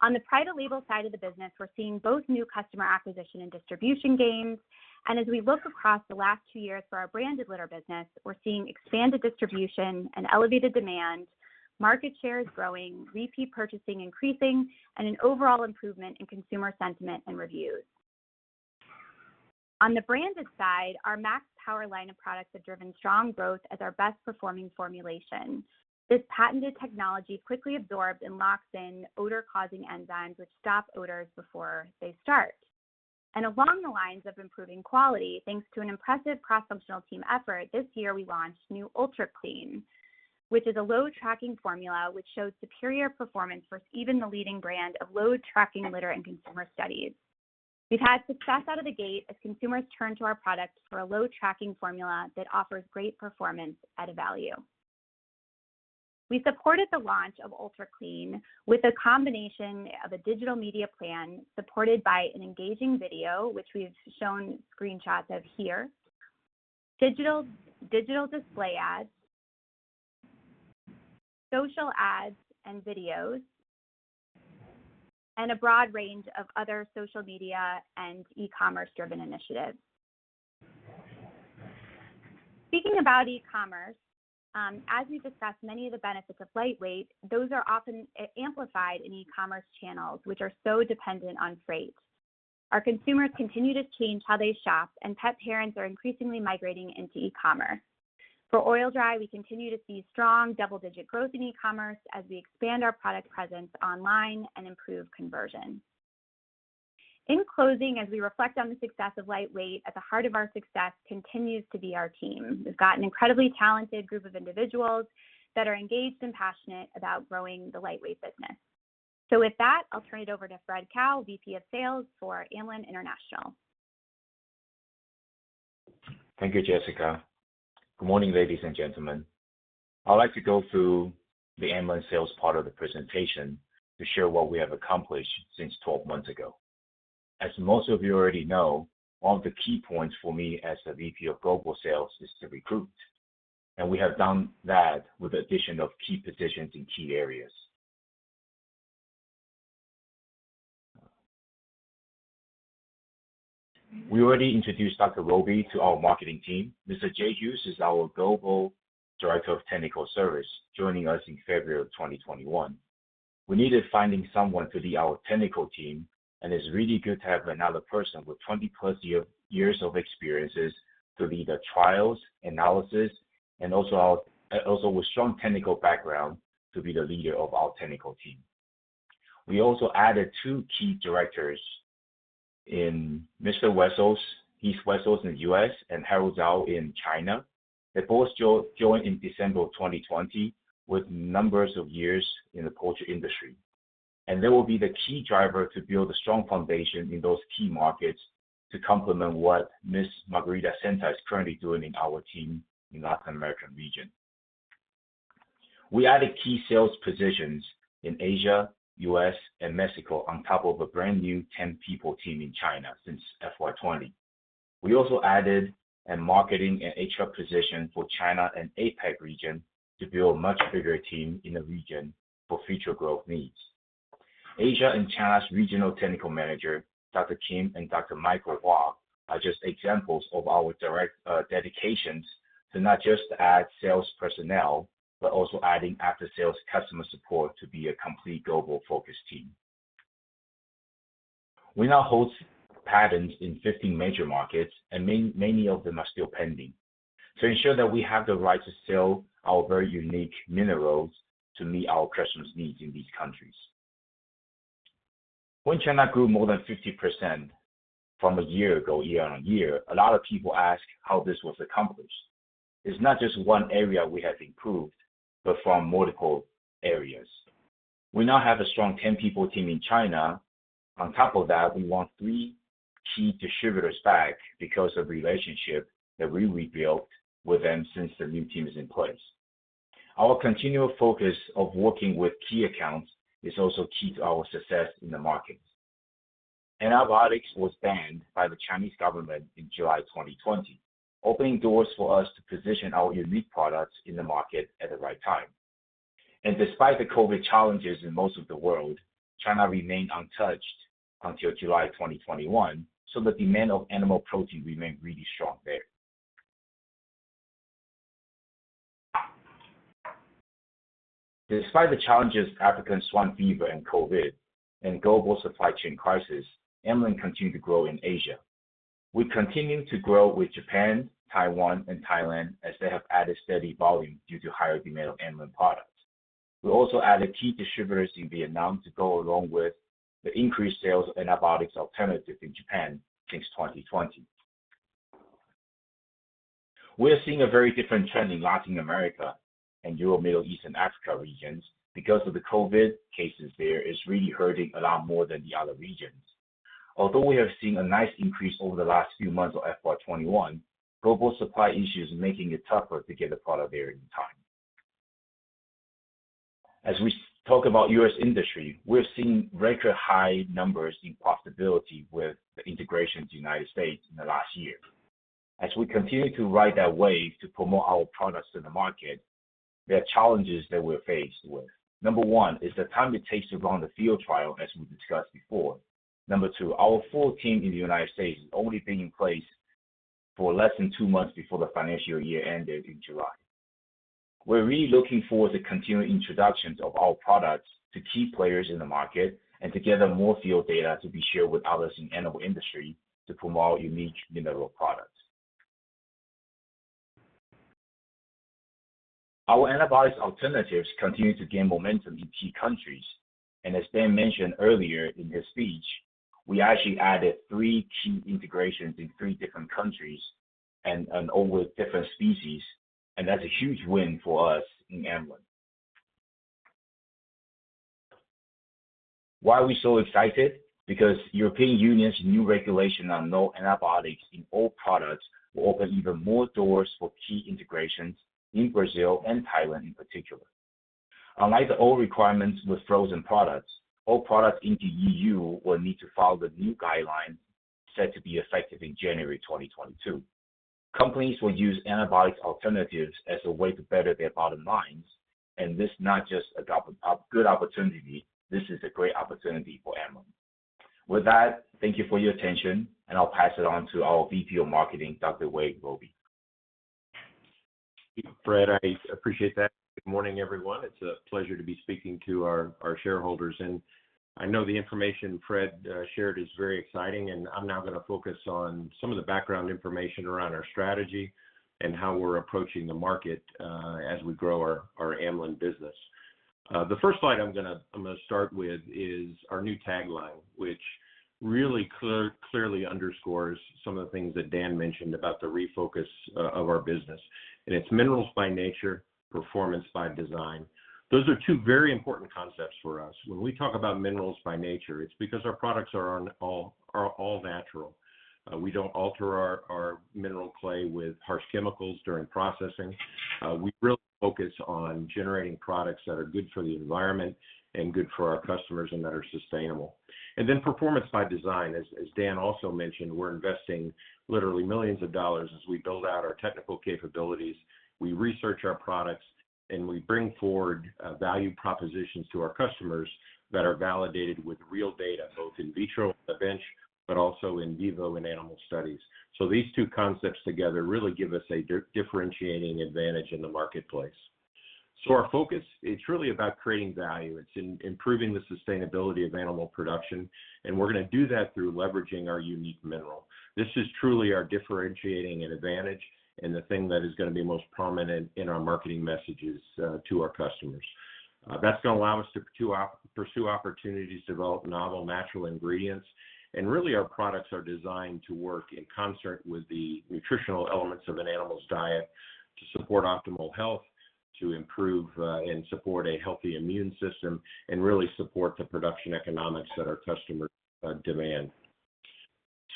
On the private label side of the business, we're seeing both new customer acquisition and distribution gains. As we look across the last two years for our branded litter business, we're seeing expanded distribution and elevated demand, market shares growing, repeat purchasing increasing, and an overall improvement in consumer sentiment and reviews. On the branded side, our Max Power line of products have driven strong growth as our best-performing formulation. This patented technology quickly absorbs and locks in odor-causing enzymes, which stop odors before they start. Along the lines of improving quality, thanks to an impressive cross-functional team effort, this year we launched new UltraClean, which is a low-tracking formula which shows superior performance versus even the leading brand of low-tracking litter in consumer studies. We've had success out of the gate as consumers turn to our products for a low-tracking formula that offers great performance at a value. We supported the launch of UltraClean with a combination of a digital media plan supported by an engaging video, which we've shown screenshots of here, digital display ads, social ads and videos, and a broad range of other social media and e-commerce driven initiatives. Speaking about e-commerce, as we've discussed many of the benefits of lightweight, those are often amplified in e-commerce channels, which are so dependent on freight. Our consumers continue to change how they shop, and pet parents are increasingly migrating into e-commerce. For Oil-Dri, we continue to see strong double-digit growth in e-commerce as we expand our product presence online and improve conversion. In closing, as we reflect on the success of lightweight, at the heart of our success continues to be our team. We've got an incredibly talented group of individuals that are engaged and passionate about growing the lightweight business. With that, I'll turn it over to Fred Tsao, Vice President of Sales for Amlan International. Thank you, Jessica. Good morning, ladies and gentlemen. I'd like to go through the Amlan sales part of the presentation to share what we have accomplished since 12 months ago. As most of you already know, one of the key points for me as the VP of Global Sales is to recruit, and we have done that with the addition of key positions in key areas. We already introduced Dr. Wade Robey to our marketing team. Mr. Jay Hughes is our Global Director of Technical Service, joining us in February of 2021. We needed finding someone to lead our technical team, and it's really good to have another person with 20+ years of experiences to lead the trials, analysis, and also our with strong technical background to be the leader of our technical team. We also added two key directors in Mr. Heath Wessels in the U.S. and Harold Zhou in China. They both joined in December 2020 with numbers of years in the poultry industry, and they will be the key driver to build a strong foundation in those key markets to complement what Ms. Margarita Senta is currently doing in our team in Latin America region. We added key sales positions in Asia, U.S., and Mexico on top of a brand-new 10-person team in China since FY 2020. We also added a marketing and HR position for China and APAC region to build a much bigger team in the region for future growth needs. Asia and China's Regional Technical Manager, Dr. Kim and Dr. Michael Hua are just examples of our direct dedications to not just add sales personnel, but also adding after-sales customer support to be a complete global focus team. We now hold patents in 15 major markets, and many of them are still pending to ensure that we have the right to sell our very unique minerals to meet our customers' needs in these countries. When China grew more than 50% from a year ago, year-on-year, a lot of people ask how this was accomplished. It's not just one area we have improved, but from multiple areas. We now have a strong 10-person team in China. On top of that, we won three key distributors back because of relationship that we rebuilt with them since the new team is in place. Our continual focus of working with key accounts is also key to our success in the markets. Antibiotics was banned by the Chinese government in July 2020, opening doors for us to position our unique products in the market at the right time. Despite the COVID challenges in most of the world, China remained untouched until July 2021, so the demand of animal protein remained really strong there. Despite the challenges of African swine fever and COVID and global supply chain crisis, Amlan continued to grow in Asia. We continue to grow with Japan, Taiwan, and Thailand as they have added steady volume due to higher demand of Amlan products. We also added key distributors in Vietnam to go along with the increased sales of antibiotics alternative in Japan since 2020. We are seeing a very different trend in Latin America and Europe, Middle East, and Africa regions because of the COVID cases there is really hurting a lot more than the other regions. Although we have seen a nice increase over the last few months of FY 2021, global supply issues are making it tougher to get the product there in time. As we talk about U.S. industry, we're seeing record high numbers in poultry with the integrators in the United States in the last year. As we continue to ride that wave to promote our products in the market, there are challenges that we're faced with. Number one is the time it takes to run the field trial, as we discussed before. Number two, our full team in the United States has only been in place for less than two months before the financial year-ended in July. We're really looking forward to continuing introductions of our products to key players in the market and to gather more field data to be shared with others in animal industry to promote our unique mineral products. Our antibiotic alternatives continue to gain momentum in key countries, and as Dan mentioned earlier in his speech, we actually added three key integrations in three different countries and over different species, and that's a huge win for us in Amlan. Why are we so excited? Because European Union’s new regulation on no antibiotics in all products will open even more doors for key integrations in Brazil and Thailand in particular. Unlike the old requirements with frozen products, all products in the EU will need to follow the new guidelines set to be effective in January 2022. Companies will use antibiotic alternatives as a way to better their bottom lines, and this is not just a good opportunity, this is a great opportunity for Amlan. With that, thank you for your attention, and I'll pass it on to our VP of Marketing, Dr. Wade Robey. Fred, I appreciate that. Good morning, everyone. It's a pleasure to be speaking to our shareholders, and I know the information Fred shared is very exciting, and I'm now going to focus on some of the background information around our strategy and how we're approaching the market as we grow our Amlan business. The first slide I'm gonna start with is our new tagline, which really clearly underscores some of the things that Dan mentioned about the refocus of our business, and it's Minerals by Nature, Performance by Design. Those are two very important concepts for us. When we talk about minerals by nature, it's because our products are all natural. We don't alter our mineral clay with harsh chemicals during processing. We really focus on generating products that are good for the environment and good for our customers and that are sustainable. Performance by design, as Dan also mentioned, we're investing literally millions of dollars as we build out our technical capabilities. We research our products, and we bring forward value propositions to our customers that are validated with real data, both in vitro at the bench, but also in vivo in animal studies. These two concepts together really give us a differentiating advantage in the marketplace. Our focus is really about creating value. It's improving the sustainability of animal production, and we're going to do that through leveraging our unique mineral. This is truly our differentiating advantage and the thing that is going to be most prominent in our marketing messages to our customers. That's going to allow us to pursue opportunities to develop novel natural ingredients. Really, our products are designed to work in concert with the nutritional elements of an animal's diet to support optimal health, to improve and support a healthy immune system, and really support the production economics that our customers demand.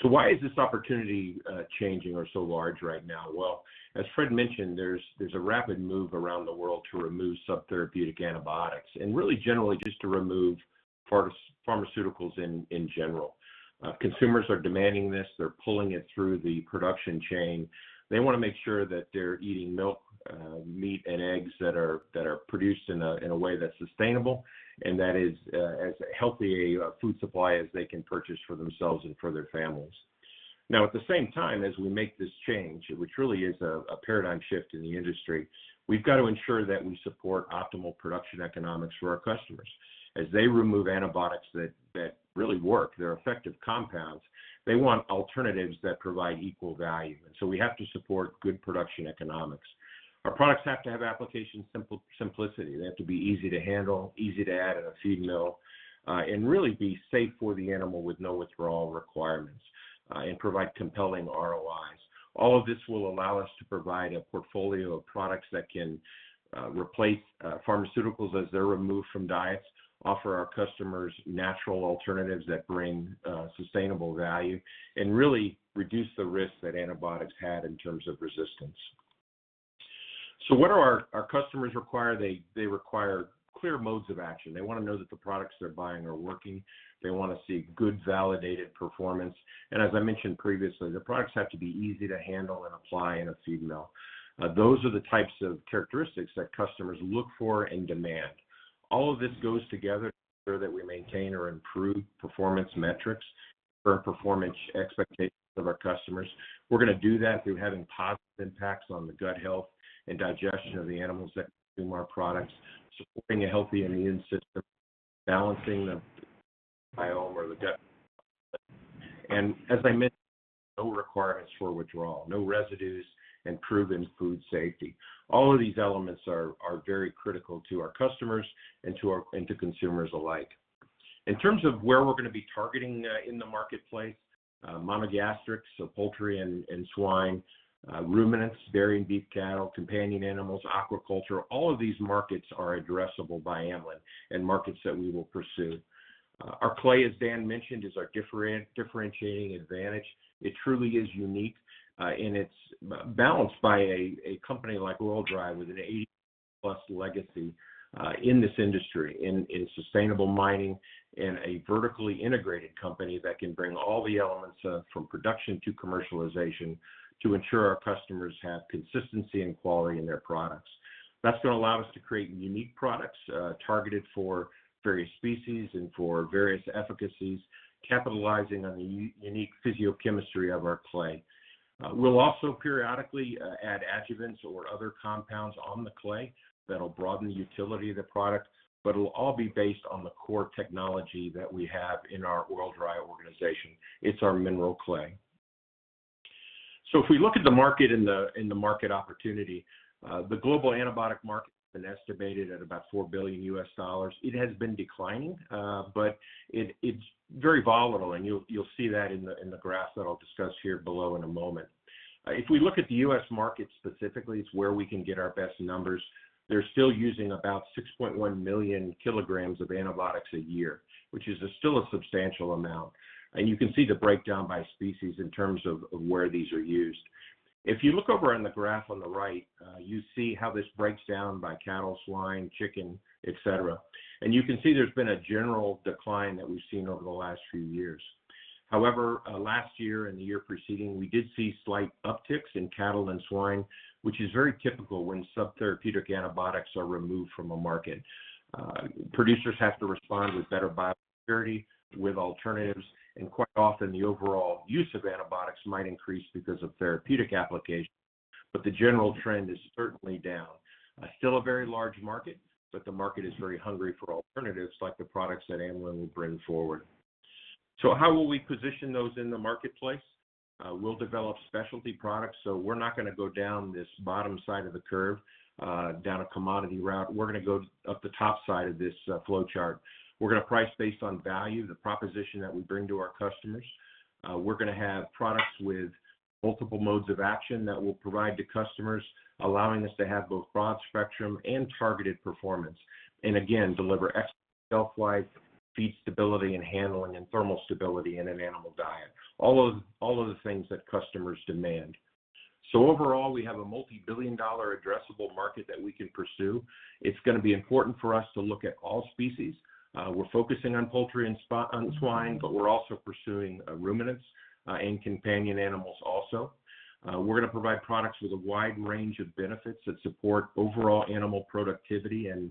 Why is this opportunity changing or so large right now? Well, as Fred mentioned, there's a rapid move around the world to remove subtherapeutic antibiotics and really generally just to remove pharmaceuticals in general. Consumers are demanding this. They're pulling it through the production chain. They want to make sure that they're eating milk, meat, and eggs that are produced in a way that's sustainable and that is as healthy a food supply as they can purchase for themselves and for their families. Now, at the same time, as we make this change, which really is a paradigm shift in the industry, we've got to ensure that we support optimal production economics for our customers. As they remove antibiotics that really work, they're effective compounds, they want alternatives that provide equal value, and so we have to support good production economics. Our products have to have application simplicity. They have to be easy to handle, easy to add in a feed mill, and really be safe for the animal with no withdrawal requirements, and provide compelling ROIs. All of this will allow us to provide a portfolio of products that can replace pharmaceuticals as they're removed from diets, offer our customers natural alternatives that bring sustainable value and really reduce the risk that antibiotics had in terms of resistance. What do our customers require? They require clear modes of action. They want to know that the products they're buying are working. They want to see good, validated performance. As I mentioned previously, the products have to be easy to handle and apply in a feed mill. Those are the types of characteristics that customers look for and demand. All of this goes together to ensure that we maintain or improve performance metrics or performance expectations of our customers. We're going to do that through having positive impacts on the gut health and digestion of the animals that consume our products, supporting a healthy immune system, balancing the biome or the gut. As I mentioned, no requirements for withdrawal, no residues, and proven food safety. All of these elements are very critical to our customers and to consumers alike. In terms of where we're going to be targeting in the marketplace, monogastrics, so poultry and swine, ruminants, dairy and beef cattle, companion animals, aquaculture, all of these markets are addressable by Amlan and markets that we will pursue. Our clay, as Dan mentioned, is our differentiating advantage. It truly is unique, and it's balanced by a company like Oil-Dri with an 80+ legacy in this industry, in sustainable mining, and a vertically integrated company that can bring all the elements from production to commercialization to ensure our customers have consistency and quality in their products. That's going to allow us to create unique products targeted for various species and for various efficacies, capitalizing on the unique physiochemistry of our clay. We'll also periodically add adjuvants or other compounds on the clay that'll broaden the utility of the product, but it'll all be based on the core technology that we have in our Oil-Dri organization. It's our mineral clay. So if we look at the market and the market opportunity, the global antibiotic market has been estimated at about $4 billion. It has been declining, but it's very volatile, and you'll see that in the graphs that I'll discuss here below in a moment. If we look at the U.S. market specifically, it's where we can get our best numbers. They're still using about 6.1 million kg of antibiotics a year, which is still a substantial amount. You can see the breakdown by species in terms of where these are used. If you look over on the graph on the right, you see how this breaks down by cattle, swine, chicken, et cetera. You can see there's been a general decline that we've seen over the last few years. However, last year and the year preceding, we did see slight upticks in cattle and swine, which is very typical when subtherapeutic antibiotics are removed from a market. Producers have to respond with better biosecurity, with alternatives, and quite often the overall use of antibiotics might increase because of therapeutic applications. The general trend is certainly down. Still a very large market, but the market is very hungry for alternatives like the products that Amlan will bring forward. How will we position those in the marketplace? We'll develop specialty products. We're not gonna go down this bottom side of the curve, down a commodity route. We're gonna go up the top side of this, flowchart. We're gonna price based on value, the proposition that we bring to our customers. We're gonna have products with multiple modes of action that we'll provide to customers, allowing us to have both broad spectrum and targeted performance. Again, deliver excellent shelf life, feed stability and handling, and thermal stability in an animal diet, all of the things that customers demand. Overall, we have a multi-billion-dollar addressable market that we can pursue. It's gonna be important for us to look at all species. We're focusing on poultry and on swine, but we're also pursuing ruminants and companion animals also. We're gonna provide products with a wide range of benefits that support overall animal productivity and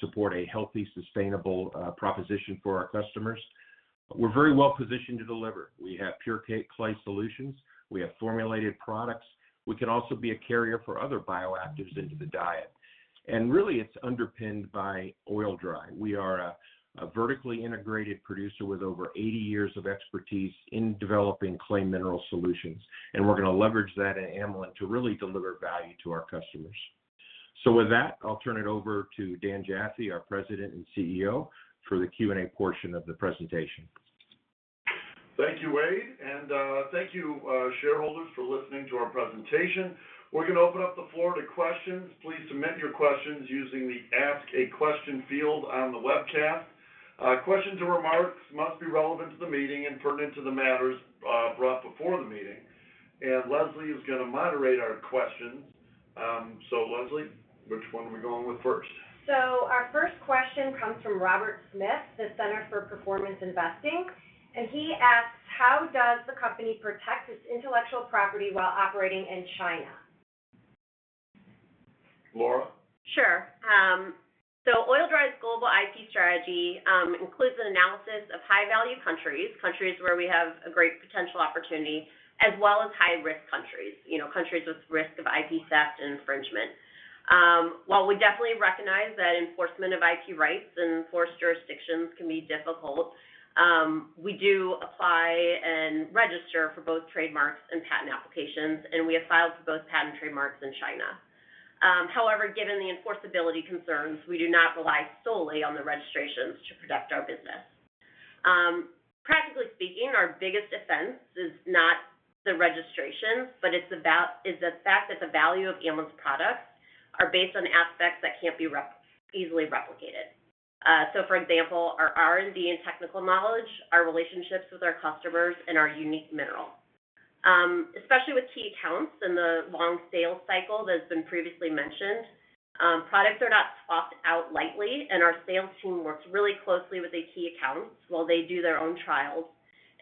support a healthy, sustainable proposition for our customers. We're very well positioned to deliver. We have pure clay solutions. We have formulated products. We can also be a carrier for other bioactives into the diet. Really, it's underpinned by Oil-Dri. We are a vertically integrated producer with over 80 years of expertise in developing clay mineral solutions, and we're gonna leverage that at Amlan to really deliver value to our customers. With that, I'll turn it over to Dan Jaffee, our President and CEO, for the Q&A portion of the presentation. Thank you, Wade, and thank you, shareholders for listening to our presentation. We're gonna open up the floor to questions. Please submit your questions using the ask a question field on the webcast. Questions or remarks must be relevant to the meeting and pertinent to the matters brought before the meeting. Leslie is gonna moderate our questions. Leslie, which one are we going with first? Our first question comes from Robert Smith, the Center for Performance Investing, and he asks, "How does the company protect its intellectual property while operating in China? Laura? Sure. Oil-Dri's global IP strategy includes an analysis of high-value countries where we have a great potential opportunity, as well as high-risk countries, you know, countries with risk of IP theft and infringement. While we definitely recognize that enforcement of IP rights in foreign jurisdictions can be difficult, we do apply and register for both trademarks and patent applications, and we have filed for both patent trademarks in China. However, given the enforceability concerns, we do not rely solely on the registrations to protect our business. Practically speaking, our biggest defense is not the registrations, but it's the fact that the value of Amlan's products are based on aspects that can't be easily replicated. For example, our R&D and technical knowledge, our relationships with our customers, and our unique mineral. Especially with key accounts and the long sales cycle that's been previously mentioned, products are not swapped out lightly, and our sales team works really closely with the key accounts while they do their own trials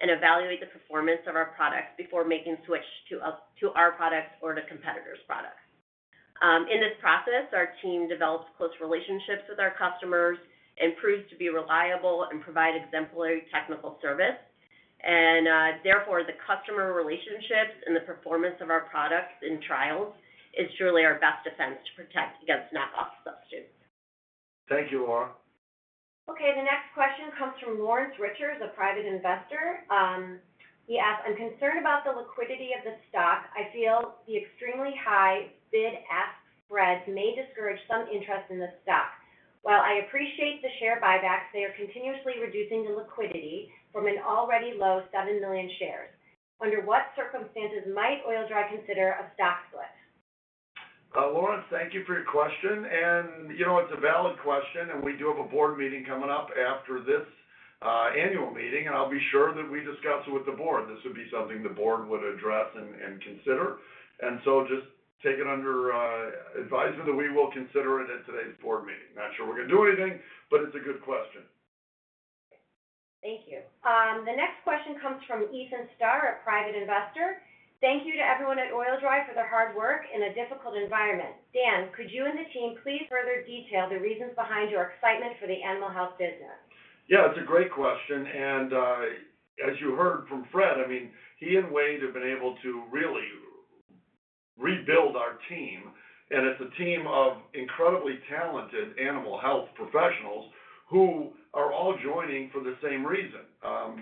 and evaluate the performance of our products before making switch to our products or to competitors' products. In this process, our team develops close relationships with our customers and proves to be reliable and provide exemplary technical service. Therefore, the customer relationships and the performance of our products in trials is truly our best defense to protect against knockoff substitutes. Thank you, Laura. Okay, the next question comes from Lawrence Richards, a private investor. He asks, "I'm concerned about the liquidity of the stock. I feel the extremely high bid-ask spreads may discourage some interest in the stock. While I appreciate the share buybacks, they are continuously reducing the liquidity from an already low seven million shares. Under what circumstances might Oil-Dri consider a stock split? Lawrence, thank you for your question. You know, it's a valid question, and we do have a board meeting coming up after this annual meeting, and I'll be sure that we discuss it with the board. This would be something the board would address and consider. Just take it under advisement that we will consider it at today's board meeting. Not sure we're gonna do anything, but it's a good question. Thank you. The next question comes from Ethan Starr, a private investor. "Thank you to everyone at Oil-Dri for their hard work in a difficult environment. Dan, could you and the team please further detail the reasons behind your excitement for the animal health business? Yeah, it's a great question. As you heard from Fred, I mean, he and Wade have been able to really rebuild our team. It's a team of incredibly talented animal health professionals who are all joining for the same reason,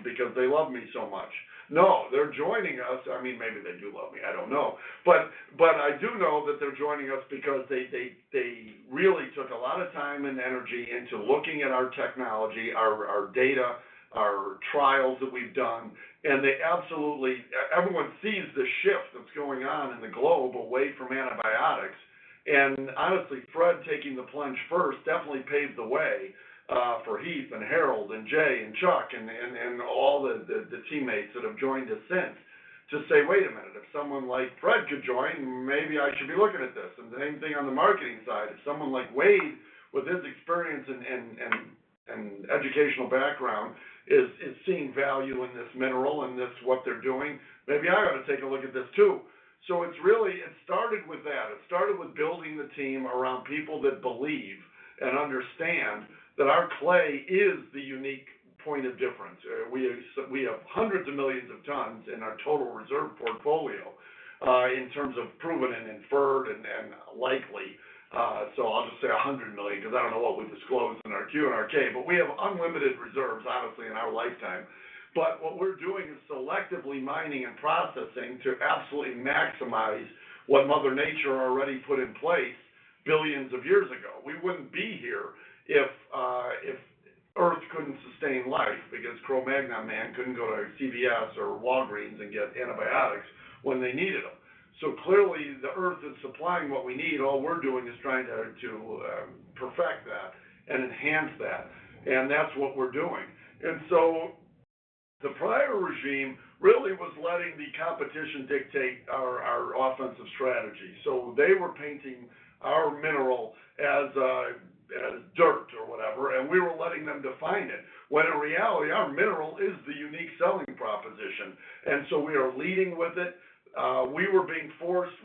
because they love me so much. No, they're joining us, I mean, maybe they do love me, I don't know. I do know that they're joining us because they really took a lot of time and energy into looking at our technology, our data, our trials that we've done, and they absolutely, everyone sees the shift that's going on in the globe away from antibiotics. Honestly, Fred taking the plunge first definitely paved the way for Heath and Harold and Jay and Chuck and all the teammates that have joined us since to say, "Wait a minute, if someone like Fred could join, maybe I should be looking at this." The same thing on the marketing side. If someone like Wade, with his experience and educational background is seeing value in this mineral and this, what they're doing, maybe I ought to take a look at this too. It's really, it started with that. It started with building the team around people that believe and understand that our clay is the unique point of difference. We have hundreds of millions of tons in our total reserve portfolio, in terms of proven and inferred and likely. I'll just say $100 million because I don't know what we disclose in our 10-Q and our 10-K, but we have unlimited reserves, honestly, in our lifetime. What we're doing is selectively mining and processing to absolutely maximize what Mother Nature already put in place billions of years ago. We wouldn't be here if Earth couldn't sustain life because Cro-Magnon man couldn't go to CVS or Walgreens and get antibiotics when they needed them. Clearly, the Earth is supplying what we need. All we're doing is trying to perfect that and enhance that, and that's what we're doing. The prior regime really was letting the competition dictate our offensive strategy. They were painting our mineral as dirt or whatever, and we were letting them define it, when in reality, our mineral is the unique selling proposition. We are leading with it.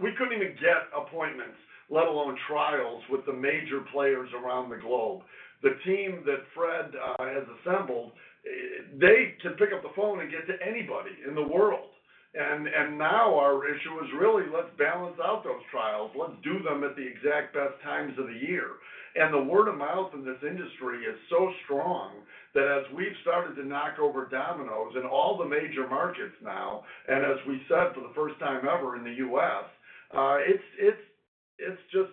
We couldn't even get appointments, let alone trials, with the major players around the globe. The team that Fred has assembled, they can pick up the phone and get to anybody in the world. Now our issue is really, let's balance out those trials. Let's do them at the exact best times of the year. The word of mouth in this industry is so strong that as we've started to knock over dominoes in all the major markets now, and as we said, for the first time ever in the U.S., it's just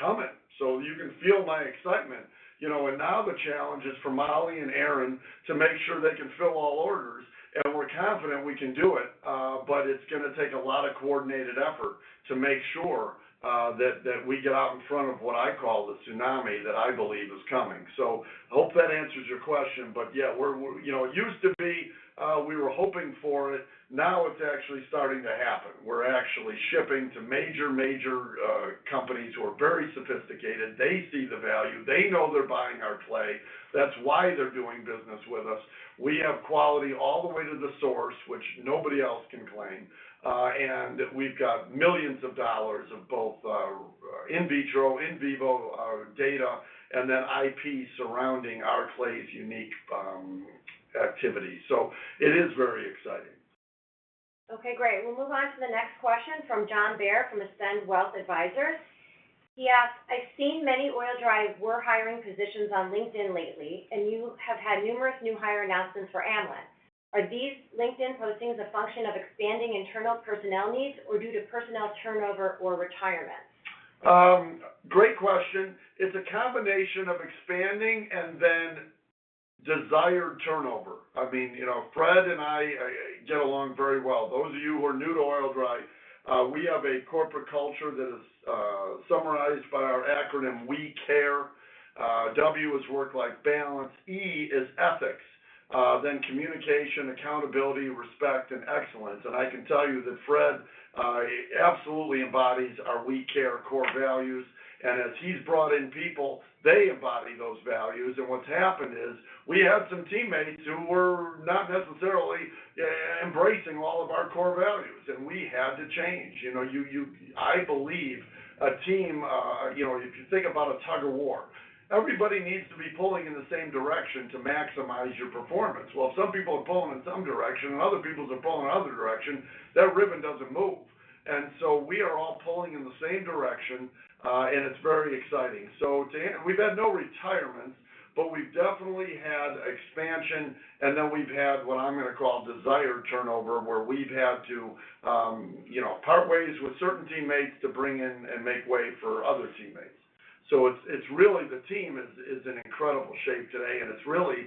coming. You can feel my excitement. You know, now the challenge is for Molly and Aaron to make sure they can fill all orders, and we're confident we can do it. It's gonna take a lot of coordinated effort to make sure that we get out in front of what I call the tsunami that I believe is coming. I hope that answers your question. Yeah, you know, it used to be we were hoping for it. Now, it's actually starting to happen. We're actually shipping to major companies who are very sophisticated. They see the value. They know they're buying our clay. That's why they're doing business with us. We have quality all the way to the source, which nobody else can claim. We've got millions of dollars of both in vitro, in vivo data and then IP surrounding our clay's unique activity. It is very exciting. Okay, great. We'll move on to the next question from John Bair from Ascend Wealth Advisors. He asks, "I've seen many Oil-Dri hiring positions on LinkedIn lately, and you have had numerous new hire announcements for Amlan. Are these LinkedIn postings a function of expanding internal personnel needs or due to personnel turnover or retirement? Great question. It's a combination of expanding and then desired turnover. I mean, you know, Fred and I get along very well. Those of you who are new to Oil-Dri, we have a corporate culture that is summarized by our acronym WE CARE. W is work-life balance, E is ethics, then communication, accountability, respect, and excellence. I can tell you that Fred absolutely embodies our WE CARE core values. As he's brought in people, they embody those values. What's happened is we had some teammates who were not necessarily embracing all of our core values, and we had to change. You know, I believe a team, you know, if you think about a tug-of-war, everybody needs to be pulling in the same direction to maximize your performance. Well, if some people are pulling in some direction and other people are pulling in other direction, that ribbon doesn't move. We are all pulling in the same direction, and it's very exciting. We've had no retirements, but we've definitely had expansion, and then we've had what I'm gonna call desired turnover, where we've had to, you know, part ways with certain teammates to bring in and make way for other teammates. It's really the team is in incredible shape today, and it's really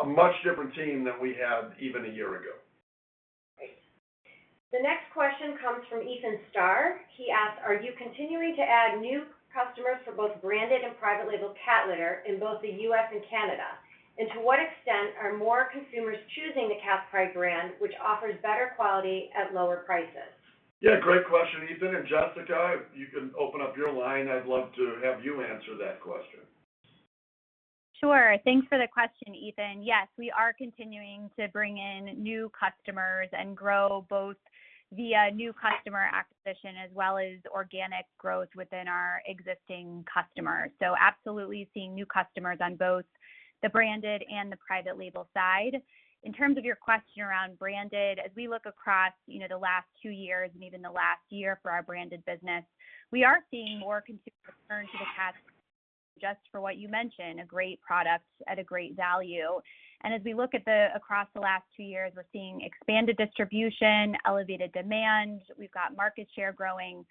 a much different team than we had even a year ago. Great. The next question comes from Ethan Starr. He asks, "Are you continuing to add new customers for both branded and private label cat litter in both the U.S. and Canada? And to what extent are more consumers choosing the Cat's Pride brand, which offers better quality at lower prices? Yeah, great question, Ethan. Jessica, if you can open up your line, I'd love to have you answer that question. Sure. Thanks for the question, Ethan. Yes, we are continuing to bring in new customers and grow both via new customer acquisition as well as organic growth within our existing customers. Absolutely seeing new customers on both the branded and the private label side. In terms of your question around branded, as we look across, you know, the last two years and even the last year for our branded business, we are seeing more consumers return to the category just for what you mentioned, a great product at a great value. As we look across the last two years, we're seeing expanded distribution, elevated demand. We've got market share growing,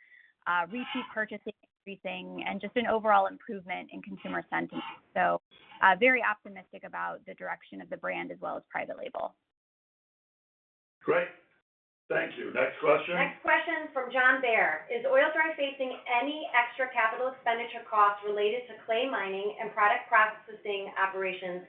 repeat purchasing increasing, and just an overall improvement in consumer sentiment. Very optimistic about the direction of the brand as well as private label. Great. Thank you. Next question. Next question from John Bair. Is Oil-Dri facing any extra capital expenditure costs related to clay mining and product processing operations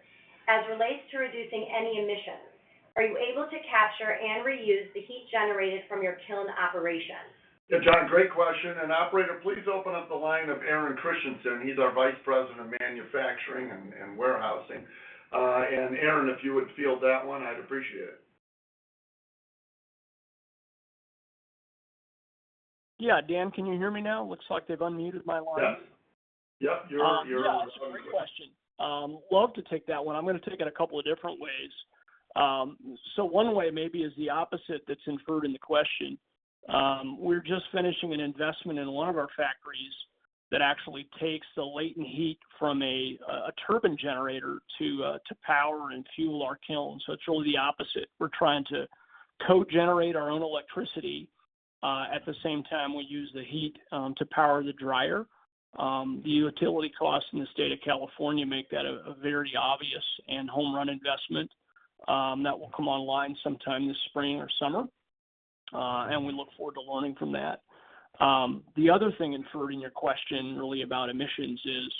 as relates to reducing any emissions? Are you able to capture and reuse the heat generated from your kiln operations? John, great question, and operator, please open up the line of Aaron Christiansen. He's our Vice President of Manufacturing and Warehousing. Aaron, if you would field that one, I'd appreciate it. Yeah. Dan, can you hear me now? Looks like they've unmuted my line. Yes. Yep, you're. Yeah, great question. Love to take that one. I'm gonna take it a couple of different ways. So one way maybe is the opposite that's inferred in the question. We're just finishing an investment in one of our factories that actually takes the latent heat from a turbine generator to power and fuel our kiln. So it's really the opposite. We're trying to co-generate our own electricity. At the same time, we use the heat to power the dryer. The utility costs in the state of California make that a very obvious and home run investment that will come online sometime this spring or summer, and we look forward to learning from that. The other thing inferred in your question really about emissions is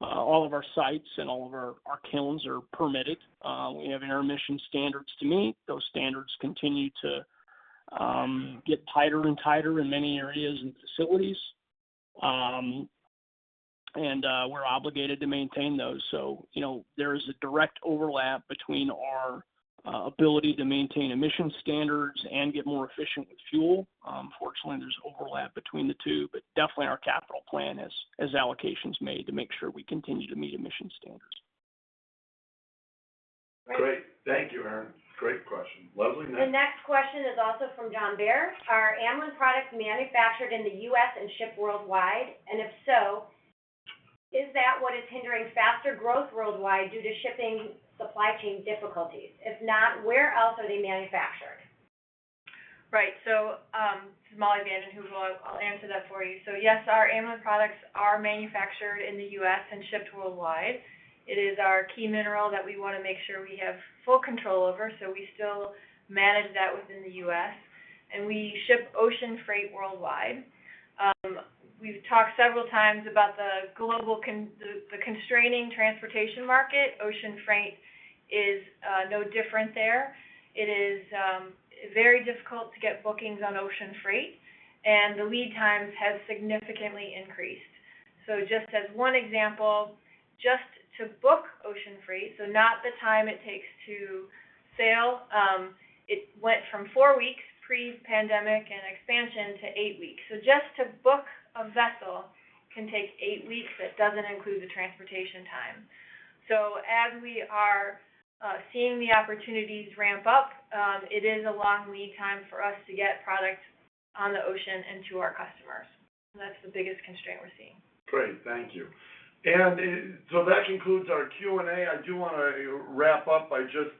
all of our sites and all of our kilns are permitted. We have air emission standards to meet. Those standards continue to get tighter and tighter in many areas and facilities. We're obligated to maintain those. You know, there is a direct overlap between our ability to maintain emission standards and get more efficient with fuel. Fortunately, there's overlap between the two, but definitely our capital plan has allocations made to make sure we continue to meet emission standards. Great. Thank you, Aaron. Great question. Leslie, next. The next question is also from John Bair. Are Amlan products manufactured in the U.S. and shipped worldwide? If so, is that what is hindering faster growth worldwide due to shipping supply chain difficulties? If not, where else are they manufactured? Right. This is Molly VandenHeuvel. I'll answer that for you. Yes, our Amlan products are manufactured in the U.S. and shipped worldwide. It is our key mineral that we wanna make sure we have full control over, so we still manage that within the U.S., and we ship ocean freight worldwide. We've talked several times about the global constraining transportation market. Ocean freight is no different there. It is very difficult to get bookings on ocean freight, and the lead times have significantly increased. Just as one example, just to book ocean freight, not the time it takes to sail, it went from four weeks pre-pandemic and expansion to eight weeks. Just to book a vessel can take eight weeks. That doesn't include the transportation time. As we are seeing the opportunities ramp up, it is a long lead time for us to get product on the ocean and to our customers. That's the biggest constraint we're seeing. Great. Thank you. That concludes our Q&A. I do wanna wrap up by just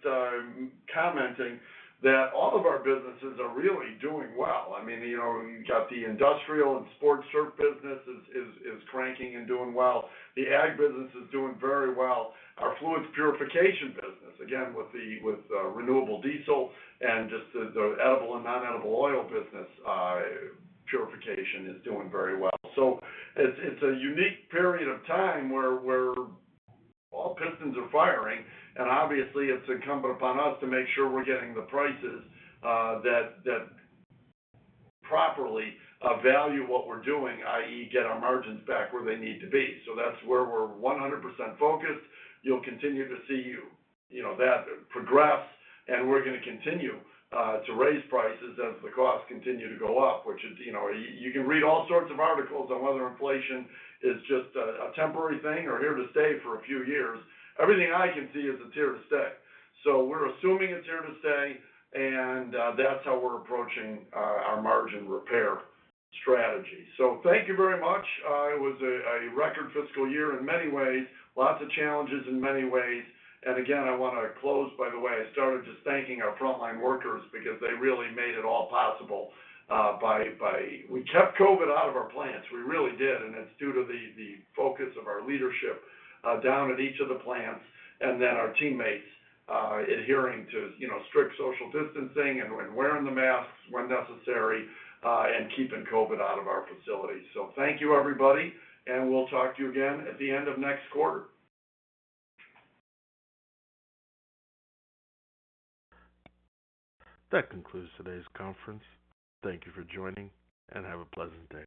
commenting that all of our businesses are really doing well. I mean, you know, you've got the industrial and sports surf business is cranking and doing well. The ag business is doing very well. Our fluids purification business, again, with renewable diesel and just the edible and non-edible oil business purification is doing very well. It's a unique period of time where all pistons are firing, and obviously it's incumbent upon us to make sure we're getting the prices that properly value what we're doing, i.e. get our margins back where they need to be. That's where we're 100% focused. You'll continue to see, you know, that progress, and we're gonna continue to raise prices as the costs continue to go up, which is, you know. You can read all sorts of articles on whether inflation is just a temporary thing or here to stay for a few years. Everything I can see is it's here to stay. We're assuming it's here to stay, and that's how we're approaching our margin repair strategy. Thank you very much. It was a record fiscal year in many ways, lots of challenges in many ways. Again, I wanna close, by the way, I started just thanking our frontline workers because they really made it all possible. We kept COVID out of our plants. We really did, and it's due to the focus of our leadership down at each of the plants and then our teammates adhering to strict social distancing and wearing the masks when necessary and keeping COVID out of our facilities. Thank you, everybody, and we'll talk to you again at the end of next quarter. That concludes today's conference. Thank you for joining, and have a pleasant day.